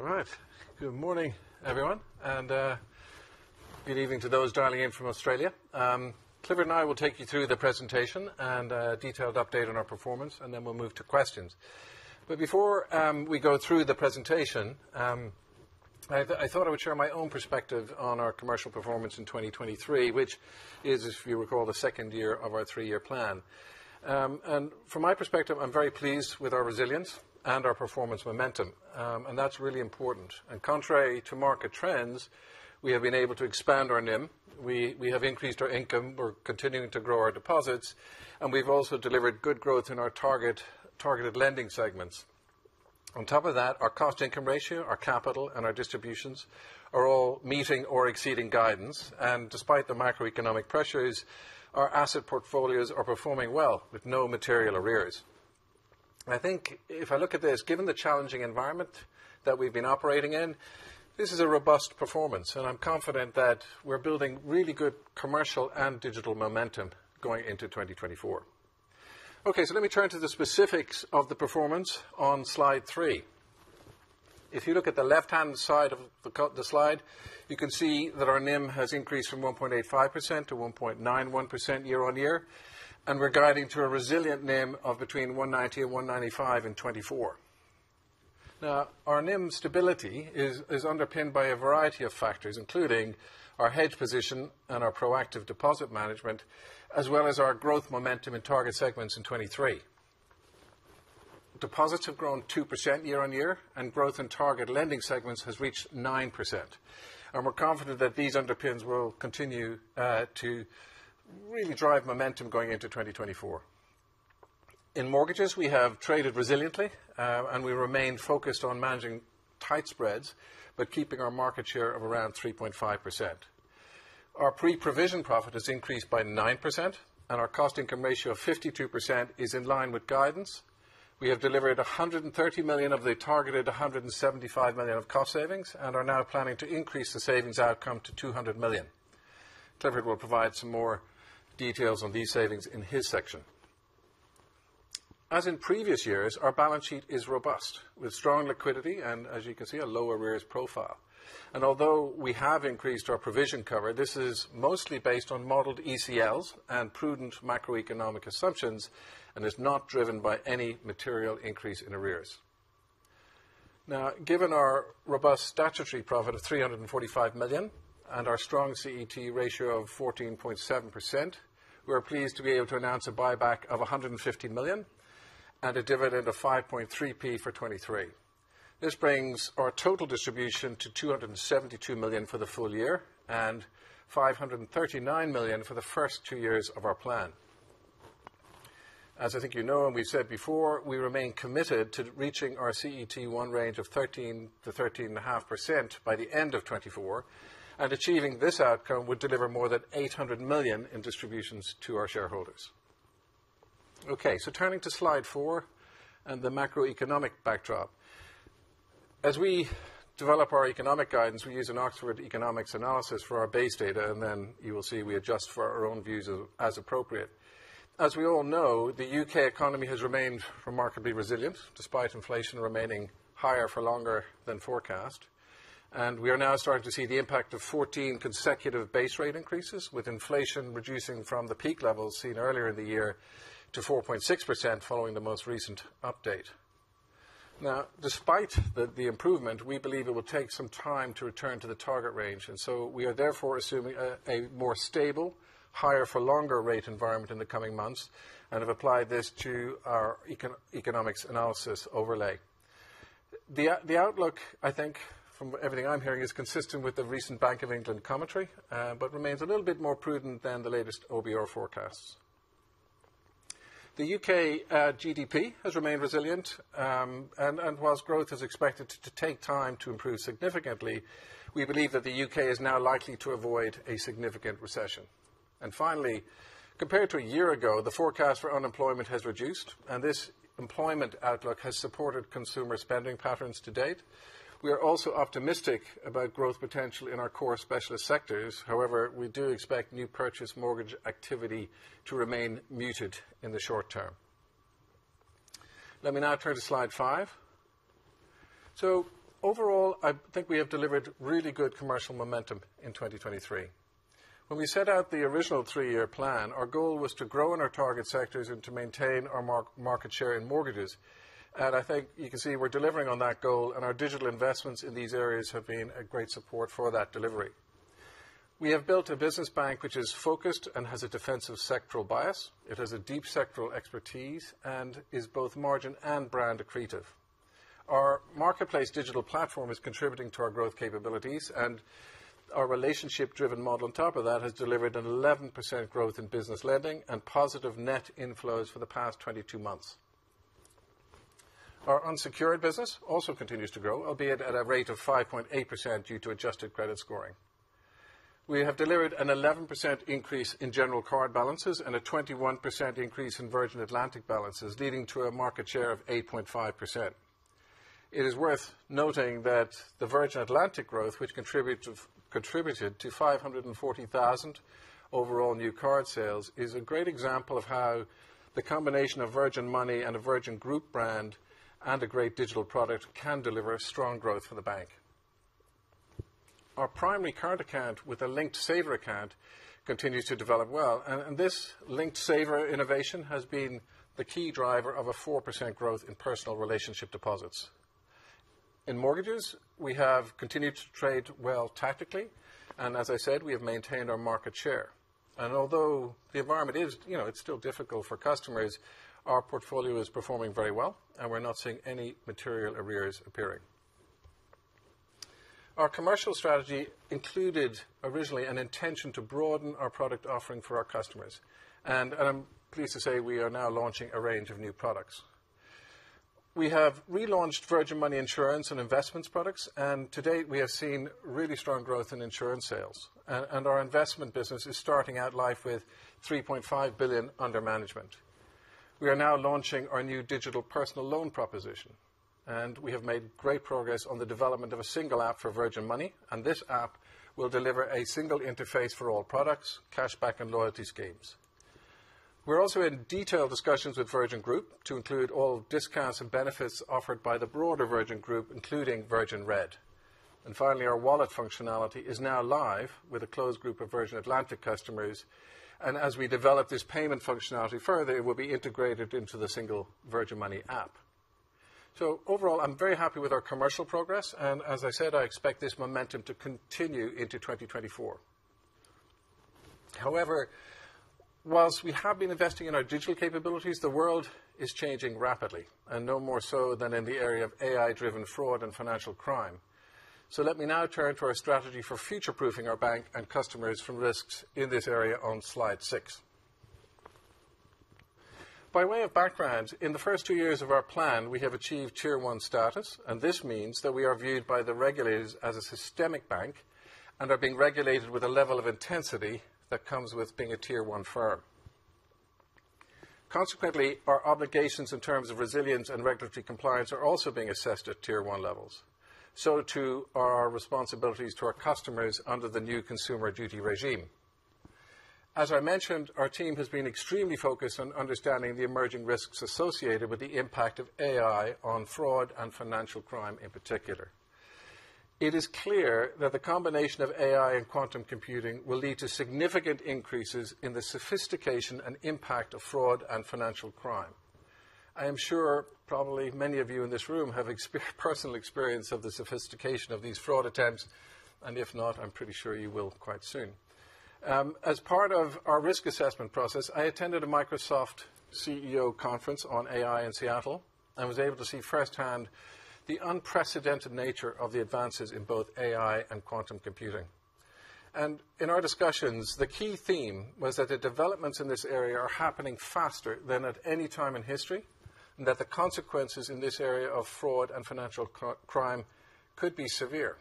All right. Good morning, everyone, and good evening to those dialing in from Australia. Clifford and I will take you through the presentation and detailed update on our performance, and then we'll move to questions. But before we go through the presentation, I thought I would share my own perspective on our commercial performance in 2023, which is, if you recall, the second year of our three-year plan. And from my perspective, I'm very pleased with our resilience and our performance momentum, and that's really important. And contrary to market trends, we have been able to expand our NIM. We have increased our income, we're continuing to grow our deposits, and we've also delivered good growth in our targeted lending segments. On top of that, our cost income ratio, our capital, and our distributions are all meeting or exceeding guidance, and despite the macroeconomic pressures, our asset portfolios are performing well with no material arrears. I think if I look at this, given the challenging environment that we've been operating in, this is a robust performance, and I'm confident that we're building really good commercial and digital momentum going into 2024. Okay, so let me turn to the specifics of the performance on slide three. If you look at the left-hand side of the slide, you can see that our NIM has increased from 1.85% to 1.91% year-on-year, and we're guiding to a resilient NIM of between 1.90% and 1.95% in 2024. Now, our NIM stability is underpinned by a variety of factors, including our hedge position and our proactive deposit management, as well as our growth momentum in target segments in 2023. Deposits have grown 2% year-on-year, and growth in target lending segments has reached 9%, and we're confident that these underpinnings will continue to really drive momentum going into 2024. In mortgages, we have traded resiliently, and we remain focused on managing tight spreads, but keeping our market share of around 3.5%. Our pre-provision profit has increased by 9%, and our cost income ratio of 52% is in line with guidance. We have delivered 130 million of the targeted 175 million of cost savings and are now planning to increase the savings outcome to 200 million. Clifford will provide some more details on these savings in his section. As in previous years, our balance sheet is robust, with strong liquidity and, as you can see, a low arrears profile. Although we have increased our provision cover, this is mostly based on modeled ECLs and prudent macroeconomic assumptions, and is not driven by any material increase in arrears. Now, given our robust statutory profit of 345 million and our strong CET1 ratio of 14.7%, we are pleased to be able to announce a buyback of 150 million and a dividend of 5.3p for 2023. This brings our total distribution to 272 million for the full year and 539 million for the first two years of our plan. As I think you know, and we've said before, we remain committed to reaching our CET1 range of 13%-13.5% by the end of 2024, and achieving this outcome would deliver more than 800 million in distributions to our shareholders. Okay, so turning to slide four and the macroeconomic backdrop. As we develop our economic guidance, we use an Oxford Economics analysis for our base data, and then you will see we adjust for our own views as, as appropriate. As we all know, the U.K. economy has remained remarkably resilient, despite inflation remaining higher for longer than forecast. We are now starting to see the impact of 14 consecutive base rate increases, with inflation reducing from the peak levels seen earlier in the year to 4.6%, following the most recent update. Now, despite the improvement, we believe it will take some time to return to the target range, and so we are therefore assuming a more stable, higher for longer rate environment in the coming months and have applied this to our economics analysis overlay. The outlook, I think, from everything I'm hearing, is consistent with the recent Bank of England commentary, but remains a little bit more prudent than the latest OBR forecasts. The U.K. GDP has remained resilient, and while growth is expected to take time to improve significantly, we believe that the U.K. is now likely to avoid a significant recession. And finally, compared to a year ago, the forecast for unemployment has reduced, and this employment outlook has supported consumer spending patterns to date. We are also optimistic about growth potential in our core specialist sectors. However, we do expect new purchase mortgage activity to remain muted in the short term. Let me now turn to slide five. So overall, I think we have delivered really good commercial momentum in 2023. When we set out the original three-year plan, our goal was to grow in our target sectors and to maintain our market share in mortgages. And I think you can see we're delivering on that goal, and our digital investments in these areas have been a great support for that delivery. We have built a business bank which is focused and has a defensive sectoral bias. It has a deep sectoral expertise and is both margin and brand accretive. Our marketplace digital platform is contributing to our growth capabilities, and our relationship-driven model on top of that has delivered an 11% growth in business lending and positive net inflows for the past 22 months. Our unsecured business also continues to grow, albeit at a rate of 5.8% due to adjusted credit scoring. We have delivered an 11% increase in general card balances and a 21% increase in Virgin Atlantic balances, leading to a market share of 8.5%. It is worth noting that the Virgin Atlantic growth, which contributed to 540,000 overall new card sales, is a great example of how the combination of Virgin Money and a Virgin Group brand and a great digital product can deliver strong growth for the bank. Our primary current account with a linked saver account continues to develop well, and this linked saver innovation has been the key driver of a 4% growth in personal relationship deposits. In mortgages, we have continued to trade well tactically, and as I said, we have maintained our market share. And although the environment is, you know, it's still difficult for customers, our portfolio is performing very well, and we're not seeing any material arrears appearing. Our commercial strategy included originally an intention to broaden our product offering for our customers, and I'm pleased to say we are now launching a range of new products. We have relaunched Virgin Money Insurance and Investments products, and to date, we have seen really strong growth in insurance sales. And our investment business is starting out life with 3.5 billion under management. We are now launching our new digital personal loan proposition, and we have made great progress on the development of a single app for Virgin Money, and this app will deliver a single interface for all products, cashback and loyalty schemes. We're also in detailed discussions with Virgin Group to include all discounts and benefits offered by the broader Virgin Group, including Virgin Red. And finally, our wallet functionality is now live with a closed group of Virgin Atlantic customers, and as we develop this payment functionality further, it will be integrated into the single Virgin Money app. So overall, I'm very happy with our commercial progress, and as I said, I expect this momentum to continue into 2024. However, while we have been investing in our digital capabilities, the world is changing rapidly, and no more so than in the area of AI-driven fraud and financial crime. So let me now turn to our strategy for future-proofing our bank and customers from risks in this area on slide six. By way of background, in the first two years of our plan, we have achieved Tier 1 status, and this means that we are viewed by the regulators as a systemic bank and are being regulated with a level of intensity that comes with being a Tier 1 firm. Consequently, our obligations in terms of resilience and regulatory compliance are also being assessed at Tier 1 levels, so too are our responsibilities to our customers under the new Consumer Duty regime. As I mentioned, our team has been extremely focused on understanding the emerging risks associated with the impact of AI on fraud and financial crime in particular. It is clear that the combination of AI and quantum computing will lead to significant increases in the sophistication and impact of fraud and financial crime. I am sure probably many of you in this room have experience, personal experience of the sophistication of these fraud attempts, and if not, I'm pretty sure you will quite soon. As part of our risk assessment process, I attended a Microsoft CEO conference on AI in Seattle and was able to see firsthand the unprecedented nature of the advances in both AI and quantum computing. In our discussions, the key theme was that the developments in this area are happening faster than at any time in history, and that the consequences in this area of fraud and financial crime could be severe.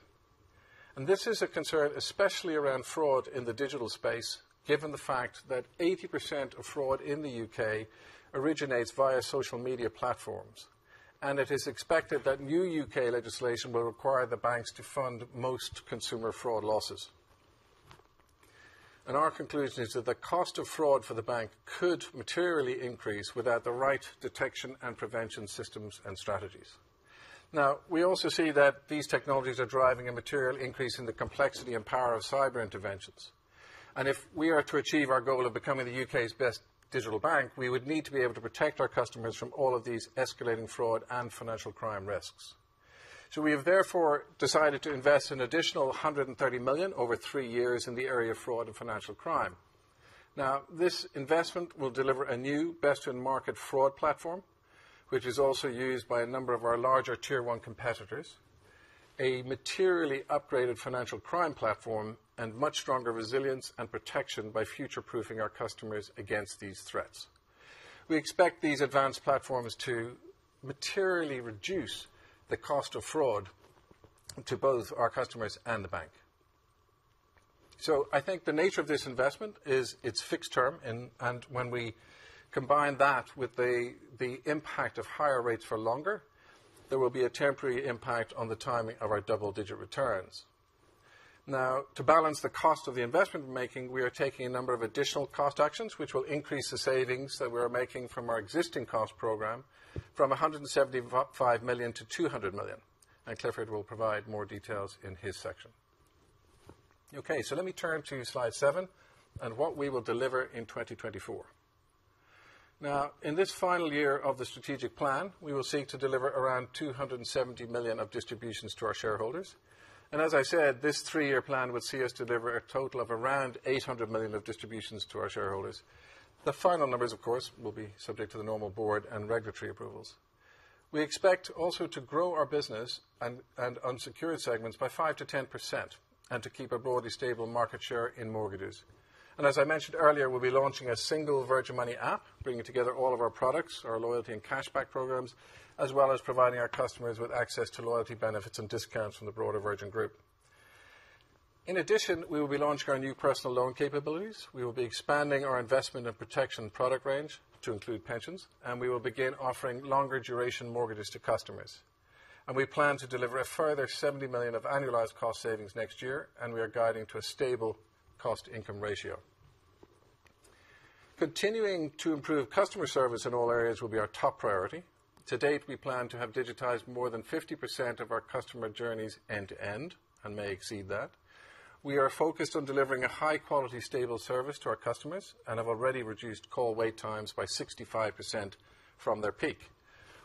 This is a concern, especially around fraud in the digital space, given the fact that 80% of fraud in the U.K. originates via social media platforms. It is expected that new U.K. legislation will require the banks to fund most consumer fraud losses. Our conclusion is that the cost of fraud for the bank could materially increase without the right detection and prevention systems and strategies. Now, we also see that these technologies are driving a material increase in the complexity and power of cyber interventions. If we are to achieve our goal of becoming the U.K.'s best digital bank, we would need to be able to protect our customers from all of these escalating fraud and financial crime risks. So we have therefore decided to invest an additional 130 million over three years in the area of fraud and financial crime. Now, this investment will deliver a new best-in-market fraud platform, which is also used by a number of our larger Tier 1 competitors, a materially upgraded financial crime platform, and much stronger resilience and protection by future-proofing our customers against these threats. We expect these advanced platforms to materially reduce the cost of fraud to both our customers and the bank. So I think the nature of this investment is it's fixed term, and when we combine that with the impact of higher rates for longer, there will be a temporary impact on the timing of our double-digit returns. Now, to balance the cost of the investment we're making, we are taking a number of additional cost actions, which will increase the savings that we are making from our existing cost program from 175 million to 200 million, and Clifford will provide more details in his section. Okay, so let me turn to slide seven and what we will deliver in 2024. Now, in this final year of the strategic plan, we will seek to deliver around 270 million of distributions to our shareholders. And as I said, this three-year plan will see us deliver a total of around 800 million of distributions to our shareholders. The final numbers, of course, will be subject to the normal board and regulatory approvals. We expect also to grow our business and unsecured segments by 5%-10% and to keep a broadly stable market share in mortgages. And as I mentioned earlier, we'll be launching a single Virgin Money app, bringing together all of our products, our loyalty and cashback programs, as well as providing our customers with access to loyalty benefits and discounts from the broader Virgin Group. In addition, we will be launching our new personal loan capabilities. We will be expanding our investment and protection product range to include pensions, and we will begin offering longer duration mortgages to customers. And we plan to deliver a further 70 million of annualized cost savings next year, and we are guiding to a stable cost-income ratio. Continuing to improve customer service in all areas will be our top priority. To date, we plan to have digitized more than 50% of our customer journeys end to end and may exceed that. We are focused on delivering a high quality, stable service to our customers and have already reduced call wait times by 65% from their peak.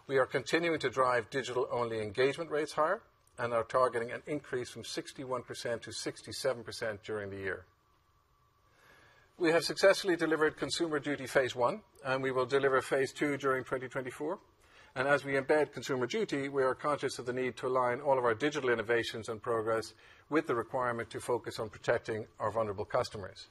We are continuing to drive digital only engagement rates higher and are targeting an increase from 61% to 67% during the year. We have successfully delivered Consumer Duty phase I, and we will deliver phase II during 2024. And as we embed Consumer Duty, we are conscious of the need to align all of our digital innovations and progress with the requirement to focus on protecting our vulnerable customers.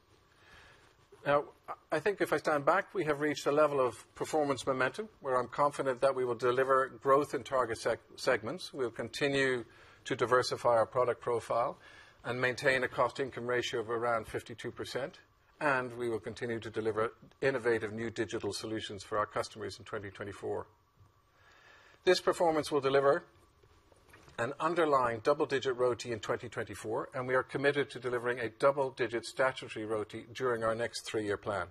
Now, I think if I stand back, we have reached a level of performance momentum where I'm confident that we will deliver growth in target segments. We'll continue to diversify our product profile and maintain a cost income ratio of around 52%, and we will continue to deliver innovative new digital solutions for our customers in 2024. This performance will deliver an underlying double-digit ROTE in 2024, and we are committed to delivering a double-digit statutory ROTE during our next three-year plan.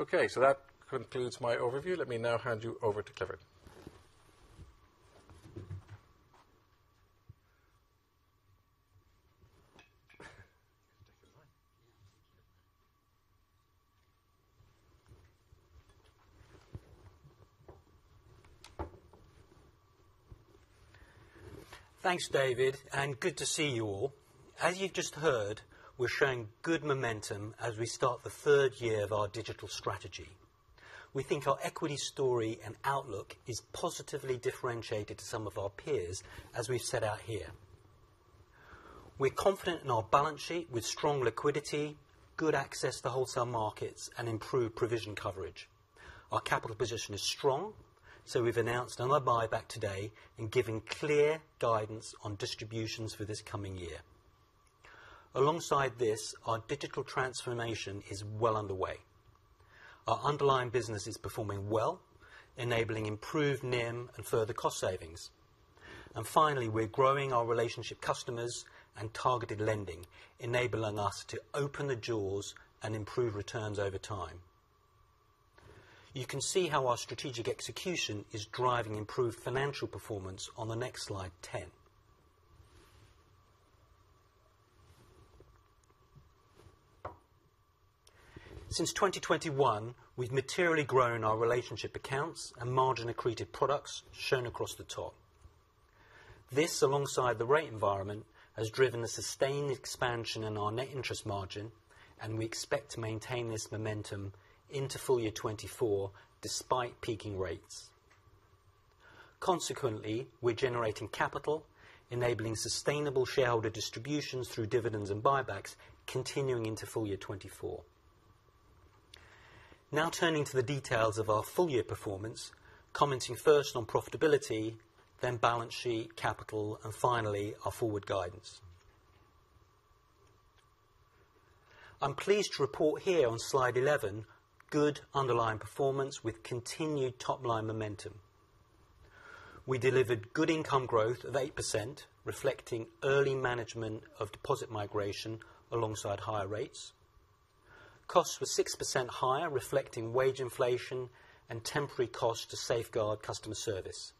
Okay, so that concludes my overview. Let me now hand you over to Clifford. Thanks, David, and good to see you all. As you've just heard, we're showing good momentum as we start the third year of our digital strategy. We think our equity story and outlook is positively differentiated to some of our peers, as we've set out here. We're confident in our balance sheet with strong liquidity, good access to wholesale markets, and improved provision coverage. Our capital position is strong, so we've announced another buyback today and given clear guidance on distributions for this coming year. Alongside this, our digital transformation is well underway. Our underlying business is performing well, enabling improved NIM and further cost savings. And finally, we're growing our relationship customers and targeted lending, enabling us to open the doors and improve returns over time. You can see how our strategic execution is driving improved financial performance on the next slide 10. Since 2021, we've materially grown our relationship accounts and margin accretive products shown across the top. This, alongside the rate environment, has driven a sustained expansion in our net interest margin, and we expect to maintain this momentum into full year 2024, despite peaking rates. Consequently, we're generating capital, enabling sustainable shareholder distributions through dividends and buybacks continuing into full year 2024. Now turning to the details of our full year performance, commenting first on profitability, then balance sheet, capital, and finally, our forward guidance. I'm pleased to report here on slide 11, good underlying performance with continued top line momentum. We delivered good income growth of 8%, reflecting early management of deposit migration alongside higher rates. Costs were 6% higher, reflecting wage inflation and temporary costs to safeguard customer service.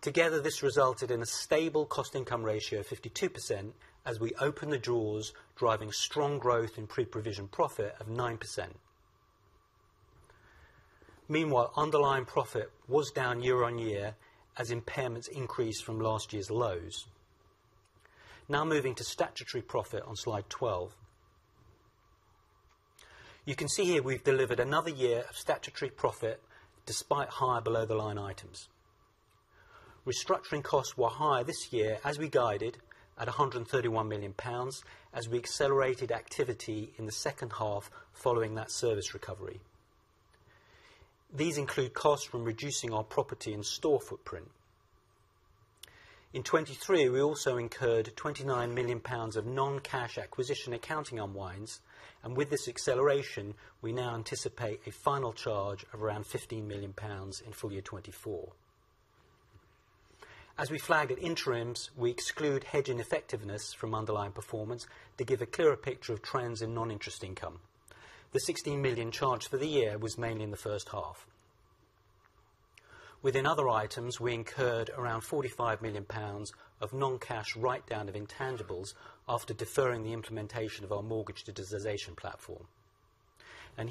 Together, this resulted in a stable cost income ratio of 52% as we open the doors, driving strong growth in pre-provision profit of 9%. Meanwhile, underlying profit was down year on year as impairments increased from last year's lows. Now moving to statutory profit on slide 12. You can see here we've delivered another year of statutory profit despite higher below-the-line items. Restructuring costs were higher this year as we guided at 131 million pounds as we accelerated activity in the second half following that service recovery. These include costs from reducing our property and store footprint. In 2023, we also incurred 29 million pounds of non-cash acquisition accounting unwinds, and with this acceleration, we now anticipate a final charge of around 15 million pounds in full year 2024. As we flagged at interims, we exclude hedging effectiveness from underlying performance to give a clearer picture of trends in non-interest income. The 16 million charge for the year was mainly in the first half. Within other items, we incurred around 45 million pounds of non-cash write-down of intangibles after deferring the implementation of our mortgage digitization platform.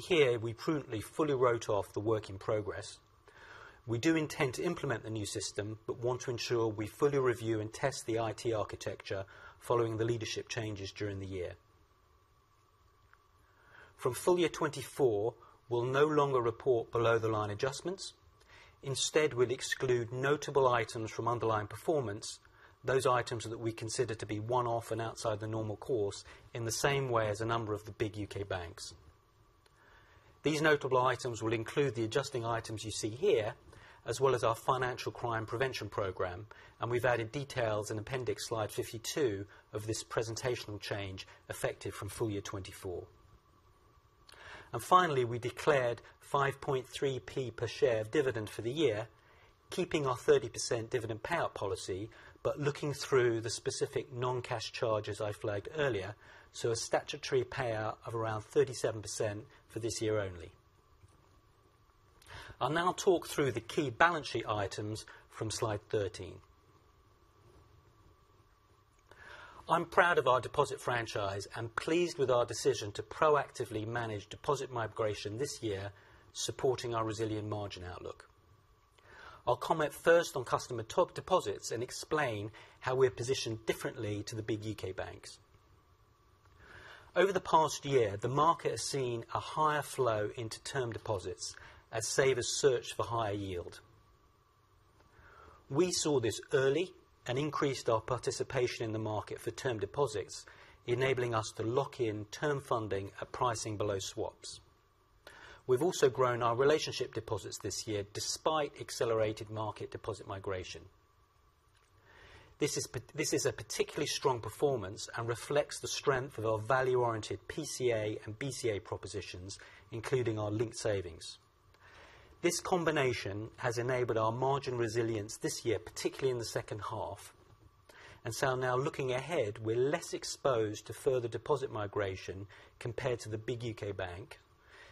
Here, we prudently fully wrote off the work in progress. We do intend to implement the new system, but want to ensure we fully review and test the IT architecture following the leadership changes during the year. From full year 2024, we'll no longer report below-the-line adjustments. Instead, we'll exclude notable items from underlying performance, those items that we consider to be one-off and outside the normal course, in the same way as a number of the big U.K. banks. These notable items will include the adjusting items you see here, as well as our financial crime prevention program, and we've added details in appendix slide 52 of this presentational change, effective from full year 2024. Finally, we declared 5.3p per share of dividend for the year, keeping our 30% dividend payout policy, but looking through the specific non-cash charges I flagged earlier, so a statutory payout of around 37% for this year only. I'll now talk through the key balance sheet items from slide 13. I'm proud of our deposit franchise and pleased with our decision to proactively manage deposit migration this year, supporting our resilient margin outlook. I'll comment first on customer top deposits and explain how we're positioned differently to the big U.K. banks. Over the past year, the market has seen a higher flow into term deposits as savers search for higher yield. We saw this early and increased our participation in the market for term deposits, enabling us to lock in term funding at pricing below swaps. We've also grown our relationship deposits this year, despite accelerated market deposit migration. This is a particularly strong performance and reflects the strength of our value-oriented PCA and BCA propositions, including our linked savings. This combination has enabled our margin resilience this year, particularly in the second half, and so now looking ahead, we're less exposed to further deposit migration compared to the big U.K. bank,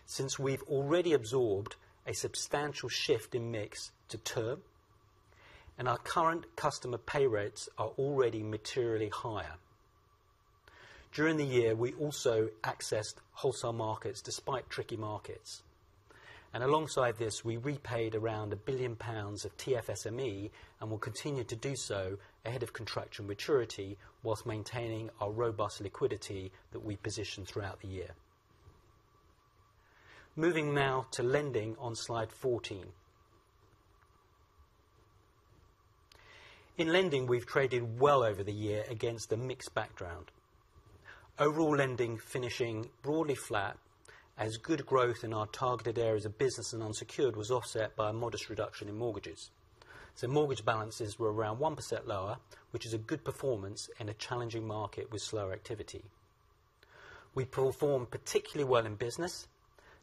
since we've already absorbed a substantial shift in mix to term, and our current customer pay rates are already materially higher. During the year, we also accessed wholesale markets despite tricky markets, and alongside this, we repaid around 1 billion pounds of TFSME, and will continue to do so ahead of contractual maturity, whilst maintaining our robust liquidity that we positioned throughout the year. Moving now to lending on Slide 14. In lending, we've traded well over the year against a mixed background. Overall lending finishing broadly flat, as good growth in our targeted areas of business and unsecured was offset by a modest reduction in mortgages. So mortgage balances were around 1% lower, which is a good performance in a challenging market with slower activity. We performed particularly well in business,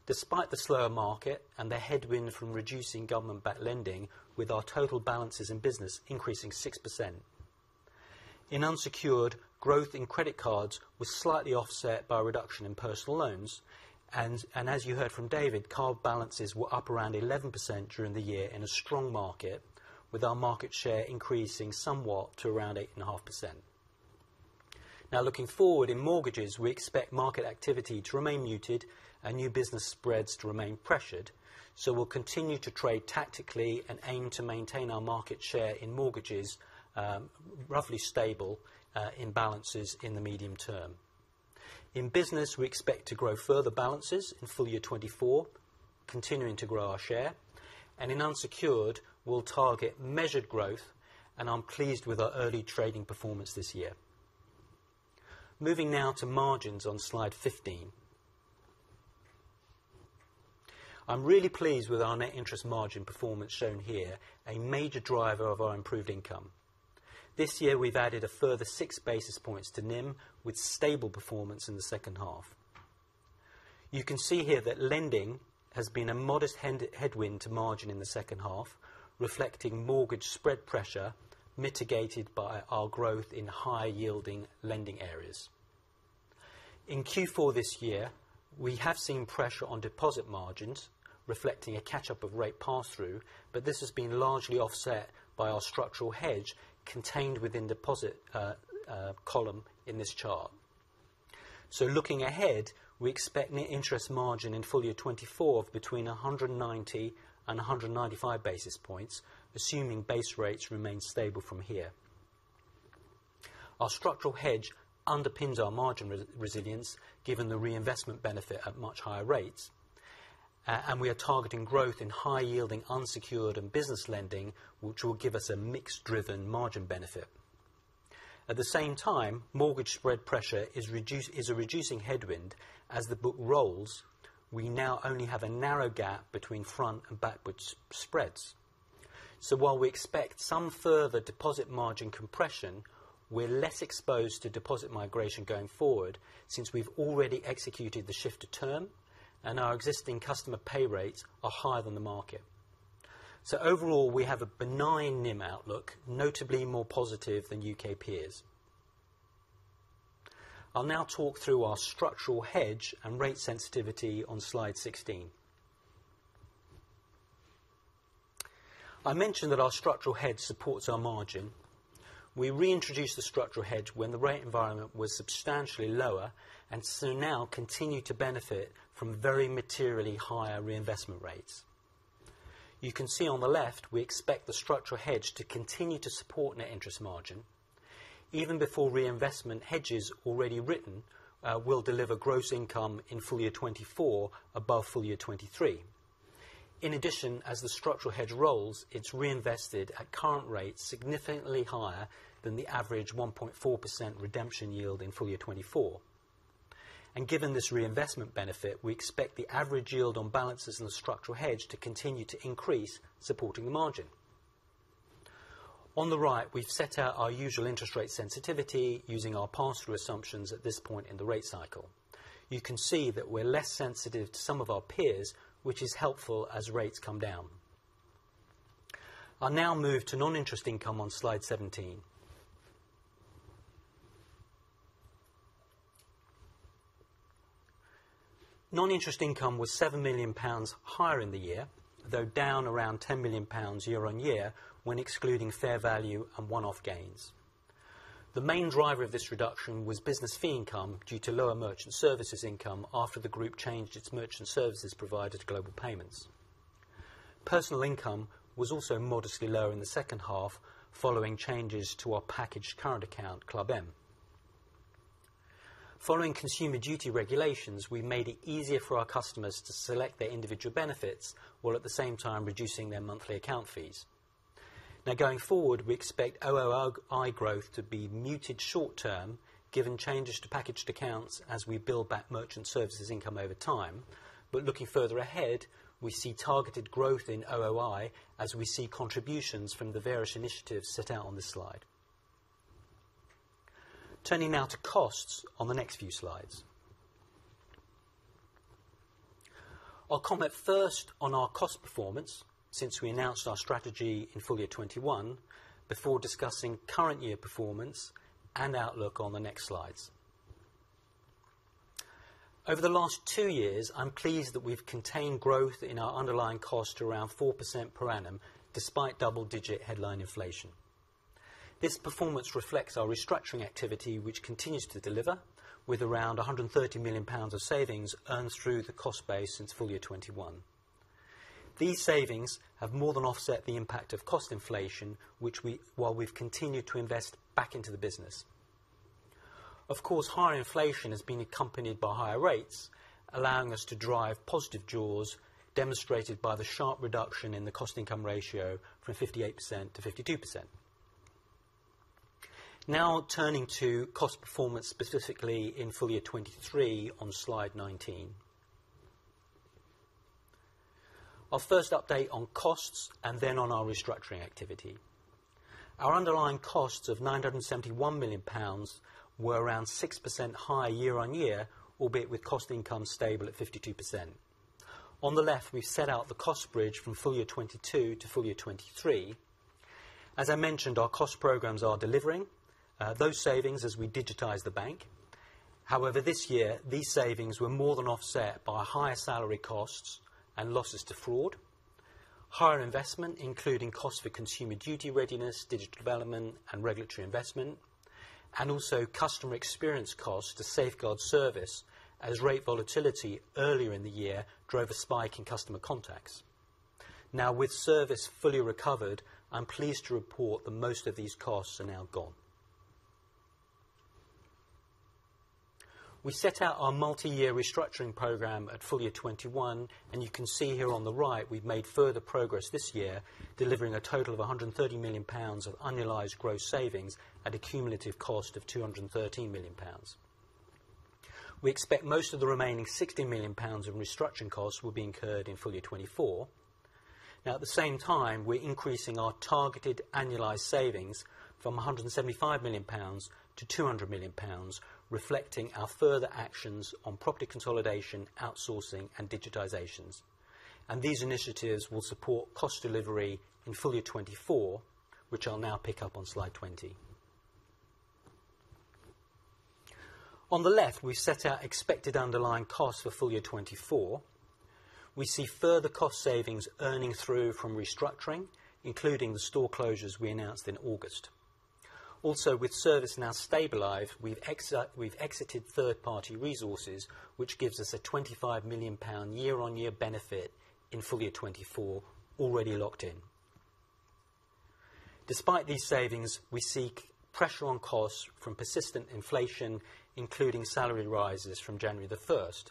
despite the slower market and the headwind from reducing government-backed lending, with our total balances in business increasing 6%. In unsecured, growth in credit cards was slightly offset by a reduction in personal loans, and as you heard from David, card balances were up around 11% during the year in a strong market, with our market share increasing somewhat to around 8.5%. Now, looking forward, in mortgages, we expect market activity to remain muted and new business spreads to remain pressured, so we'll continue to trade tactically and aim to maintain our market share in mortgages, roughly stable in balances in the medium term. In business, we expect to grow further balances in full year 2024, continuing to grow our share, and in unsecured, we'll target measured growth, and I'm pleased with our early trading performance this year. Moving now to margins on slide 15. I'm really pleased with our net interest margin performance shown here, a major driver of our improved income. This year, we've added a further 6 basis points to NIM, with stable performance in the second half. You can see here that lending has been a modest headwind to margin in the second half, reflecting mortgage spread pressure, mitigated by our growth in high-yielding lending areas. In Q4 this year, we have seen pressure on deposit margins, reflecting a catch-up of rate pass-through, but this has been largely offset by our structural hedge contained within deposit column in this chart. So looking ahead, we expect net interest margin in full year 2024 between 190 and 195 basis points, assuming base rates remain stable from here. Our structural hedge underpins our margin resilience, given the reinvestment benefit at much higher rates. We are targeting growth in high-yielding, unsecured, and business lending, which will give us a mix-driven margin benefit. At the same time, mortgage spread pressure is a reducing headwind as the book rolls. We now only have a narrow gap between front and backwards spreads. So while we expect some further deposit margin compression, we're less exposed to deposit migration going forward, since we've already executed the shift to term, and our existing customer pay rates are higher than the market. So overall, we have a benign NIM outlook, notably more positive than U.K. peers. I'll now talk through our structural hedge and rate sensitivity on slide 16. I mentioned that our structural hedge supports our margin. We reintroduced the structural hedge when the rate environment was substantially lower, and so now continue to benefit from very materially higher reinvestment rates. You can see on the left, we expect the structural hedge to continue to support net interest margin. Even before reinvestment, hedges already written will deliver gross income in full year 2024 above full year 2023. In addition, as the structural hedge rolls, it's reinvested at current rates significantly higher than the average 1.4% redemption yield in full year 2024. And given this reinvestment benefit, we expect the average yield on balances in the structural hedge to continue to increase, supporting the margin.... On the right, we've set out our usual interest rate sensitivity using our pass-through assumptions at this point in the rate cycle. You can see that we're less sensitive to some of our peers, which is helpful as rates come down. I'll now move to non-interest income on slide 17. Non-interest income was 7 million pounds higher in the year, though down around 10 million pounds year-on-year, when excluding fair value and one-off gains. The main driver of this reduction was business fee income due to lower merchant services income after the group changed its merchant services provider to Global Payments. Personal income was also modestly lower in the second half, following changes to our packaged current account, Club M. Following Consumer Duty regulations, we made it easier for our customers to select their individual benefits, while at the same time reducing their monthly account fees. Now, going forward, we expect OOI growth to be muted short-term, given changes to packaged accounts as we build back merchant services income over time. But looking further ahead, we see targeted growth in OOI as we see contributions from the various initiatives set out on this slide. Turning now to costs on the next few slides. I'll comment first on our cost performance since we announced our strategy in full year 2021, before discussing current year performance and outlook on the next slides. Over the last two years, I'm pleased that we've contained growth in our underlying cost to around 4% per annum, despite double-digit headline inflation. This performance reflects our restructuring activity, which continues to deliver with around 130 million pounds of savings earned through the cost base since full year 2021. These savings have more than offset the impact of cost inflation, which, while we've continued to invest back into the business. Of course, higher inflation has been accompanied by higher rates, allowing us to drive positive jaws, demonstrated by the sharp reduction in the cost income ratio from 58% to 52%. Now, turning to cost performance, specifically in full year 2023 on slide 19. Our first update on costs and then on our restructuring activity. Our underlying costs of 971 million pounds were around 6% higher year-on-year, albeit with cost income stable at 52%. On the left, we've set out the cost bridge from full year 2022 to full year 2023. As I mentioned, our cost programs are delivering those savings as we digitize the bank. However, this year, these savings were more than offset by higher salary costs and losses to fraud, higher investment, including cost for Consumer Duty readiness, digital development, and regulatory investment, and also customer experience costs to safeguard service as rate volatility earlier in the year drove a spike in customer contacts. Now, with service fully recovered, I'm pleased to report that most of these costs are now gone. We set out our multi-year restructuring program at full year 2021, and you can see here on the right, we've made further progress this year, delivering a total of 130 million pounds of annualized gross savings at a cumulative cost of 213 million pounds. We expect most of the remaining 60 million pounds of restructuring costs will be incurred in full year 2024. Now, at the same time, we're increasing our targeted annualized savings from 175 million pounds to 200 million pounds, reflecting our further actions on property consolidation, outsourcing, and digitizations. And these initiatives will support cost delivery in full year 2024, which I'll now pick up on slide 20. On the left, we set out expected underlying costs for full year 2024. We see further cost savings earning through from restructuring, including the store closures we announced in August. Also, with ServiceNow stabilized, we've exited third-party resources, which gives us a 25 million pound year-on-year benefit in full year 2024, already locked in. Despite these savings, we see pressure on costs from persistent inflation, including salary rises from January 1st,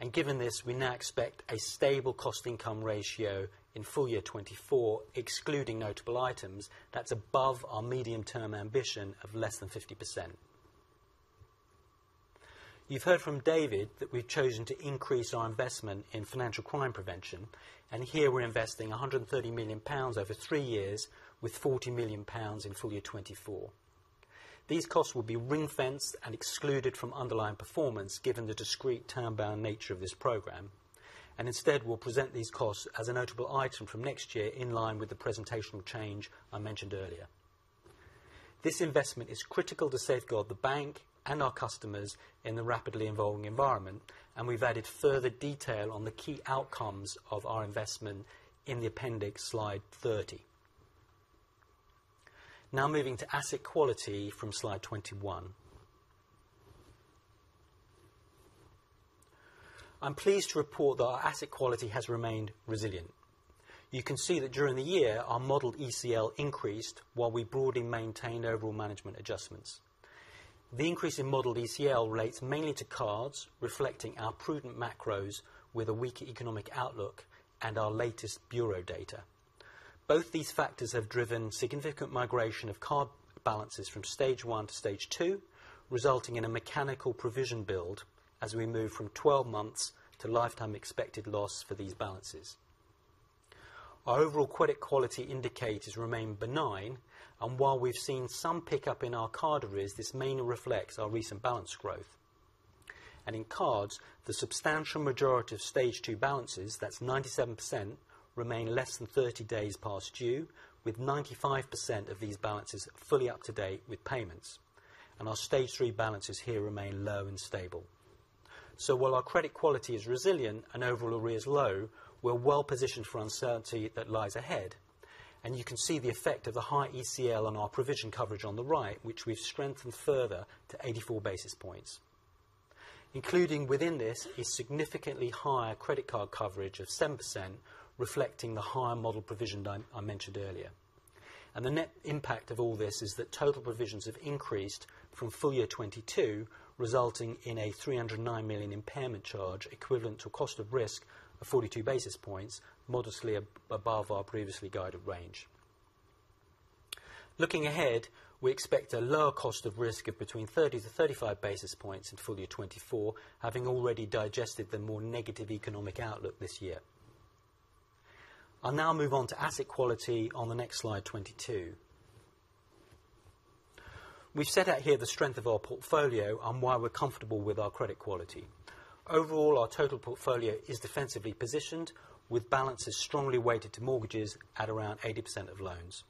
and given this, we now expect a stable cost income ratio in full year 2024, excluding notable items, that's above our medium-term ambition of less than 50%. You've heard from David that we've chosen to increase our investment in financial crime prevention, and here we're investing 130 million pounds over three years with 40 million pounds in full year 2024. These costs will be ring-fenced and excluded from underlying performance, given the discrete time-bound nature of this program, and instead, we'll present these costs as a notable item from next year in line with the presentational change I mentioned earlier. This investment is critical to safeguard the bank and our customers in the rapidly evolving environment, and we've added further detail on the key outcomes of our investment in the appendix, slide 30. Now, moving to asset quality from slide 21. I'm pleased to report that our asset quality has remained resilient. You can see that during the year, our modeled ECL increased, while we broadly maintained overall management adjustments. The increase in modeled ECL relates mainly to cards, reflecting our prudent macros with a weaker economic outlook and our latest bureau data. Both these factors have driven significant migration of card balances from stage one to stage two, resulting in a mechanical provision build as we move from 12 months to lifetime expected loss for these balances. Our overall credit quality indicators remain benign, and while we've seen some pickup in our card arrears, this mainly reflects our recent balance growth. And in cards, the substantial majority of stage two balances, that's 97%, remain less than 30 days past due, with 95% of these balances fully up to date with payments, and our stage three balances here remain low and stable. So while our credit quality is resilient and overall arrears low, we're well positioned for uncertainty that lies ahead, and you can see the effect of the high ECL on our provision coverage on the right, which we've strengthened further to 84 basis points. Including within this is significantly higher credit card coverage of 7%, reflecting the higher model provisioned I mentioned earlier. The net impact of all this is that total provisions have increased from full year 2022, resulting in a 309 million impairment charge, equivalent to cost of risk of 42 basis points, modestly above our previously guided range. Looking ahead, we expect a lower cost of risk of between 30-35 basis points in full year 2024, having already digested the more negative economic outlook this year. I'll now move on to asset quality on the next slide, 22. We've set out here the strength of our portfolio and why we're comfortable with our credit quality. Overall, our total portfolio is defensively positioned with balances strongly weighted to mortgages at around 80% of loans.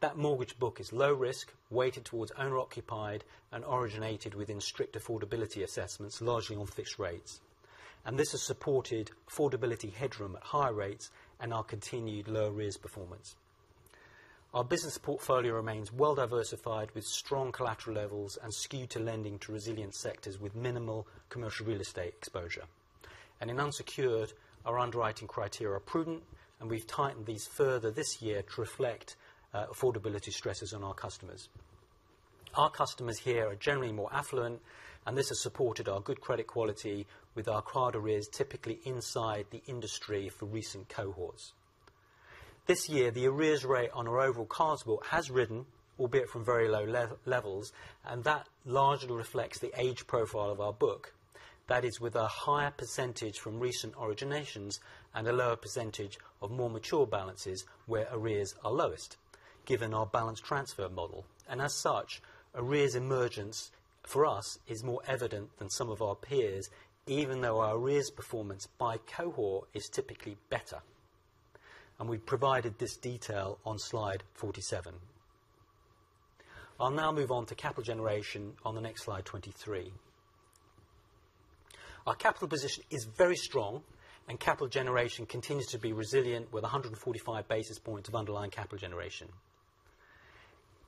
That mortgage book is low risk, weighted towards owner occupied, and originated within strict affordability assessments, largely on fixed rates. This has supported affordability headroom at higher rates and our continued low arrears performance. Our business portfolio remains well diversified with strong collateral levels and skewed to lending to resilient sectors with minimal commercial real estate exposure. In unsecured, our underwriting criteria are prudent, and we've tightened these further this year to reflect affordability stresses on our customers. Our customers here are generally more affluent, and this has supported our good credit quality with our card arrears, typically inside the industry for recent cohorts. This year, the arrears rate on our overall cards book has risen, albeit from very low levels, and that largely reflects the age profile of our book. That is with a higher percentage from recent originations and a lower percentage of more mature balances where arrears are lowest, given our balance transfer model. As such, arrears emergence for us is more evident than some of our peers, even though our arrears performance by cohort is typically better, and we've provided this detail on slide 47. I'll now move on to capital generation on the next slide, 23. Our capital position is very strong, and capital generation continues to be resilient, with 145 basis points of underlying capital generation.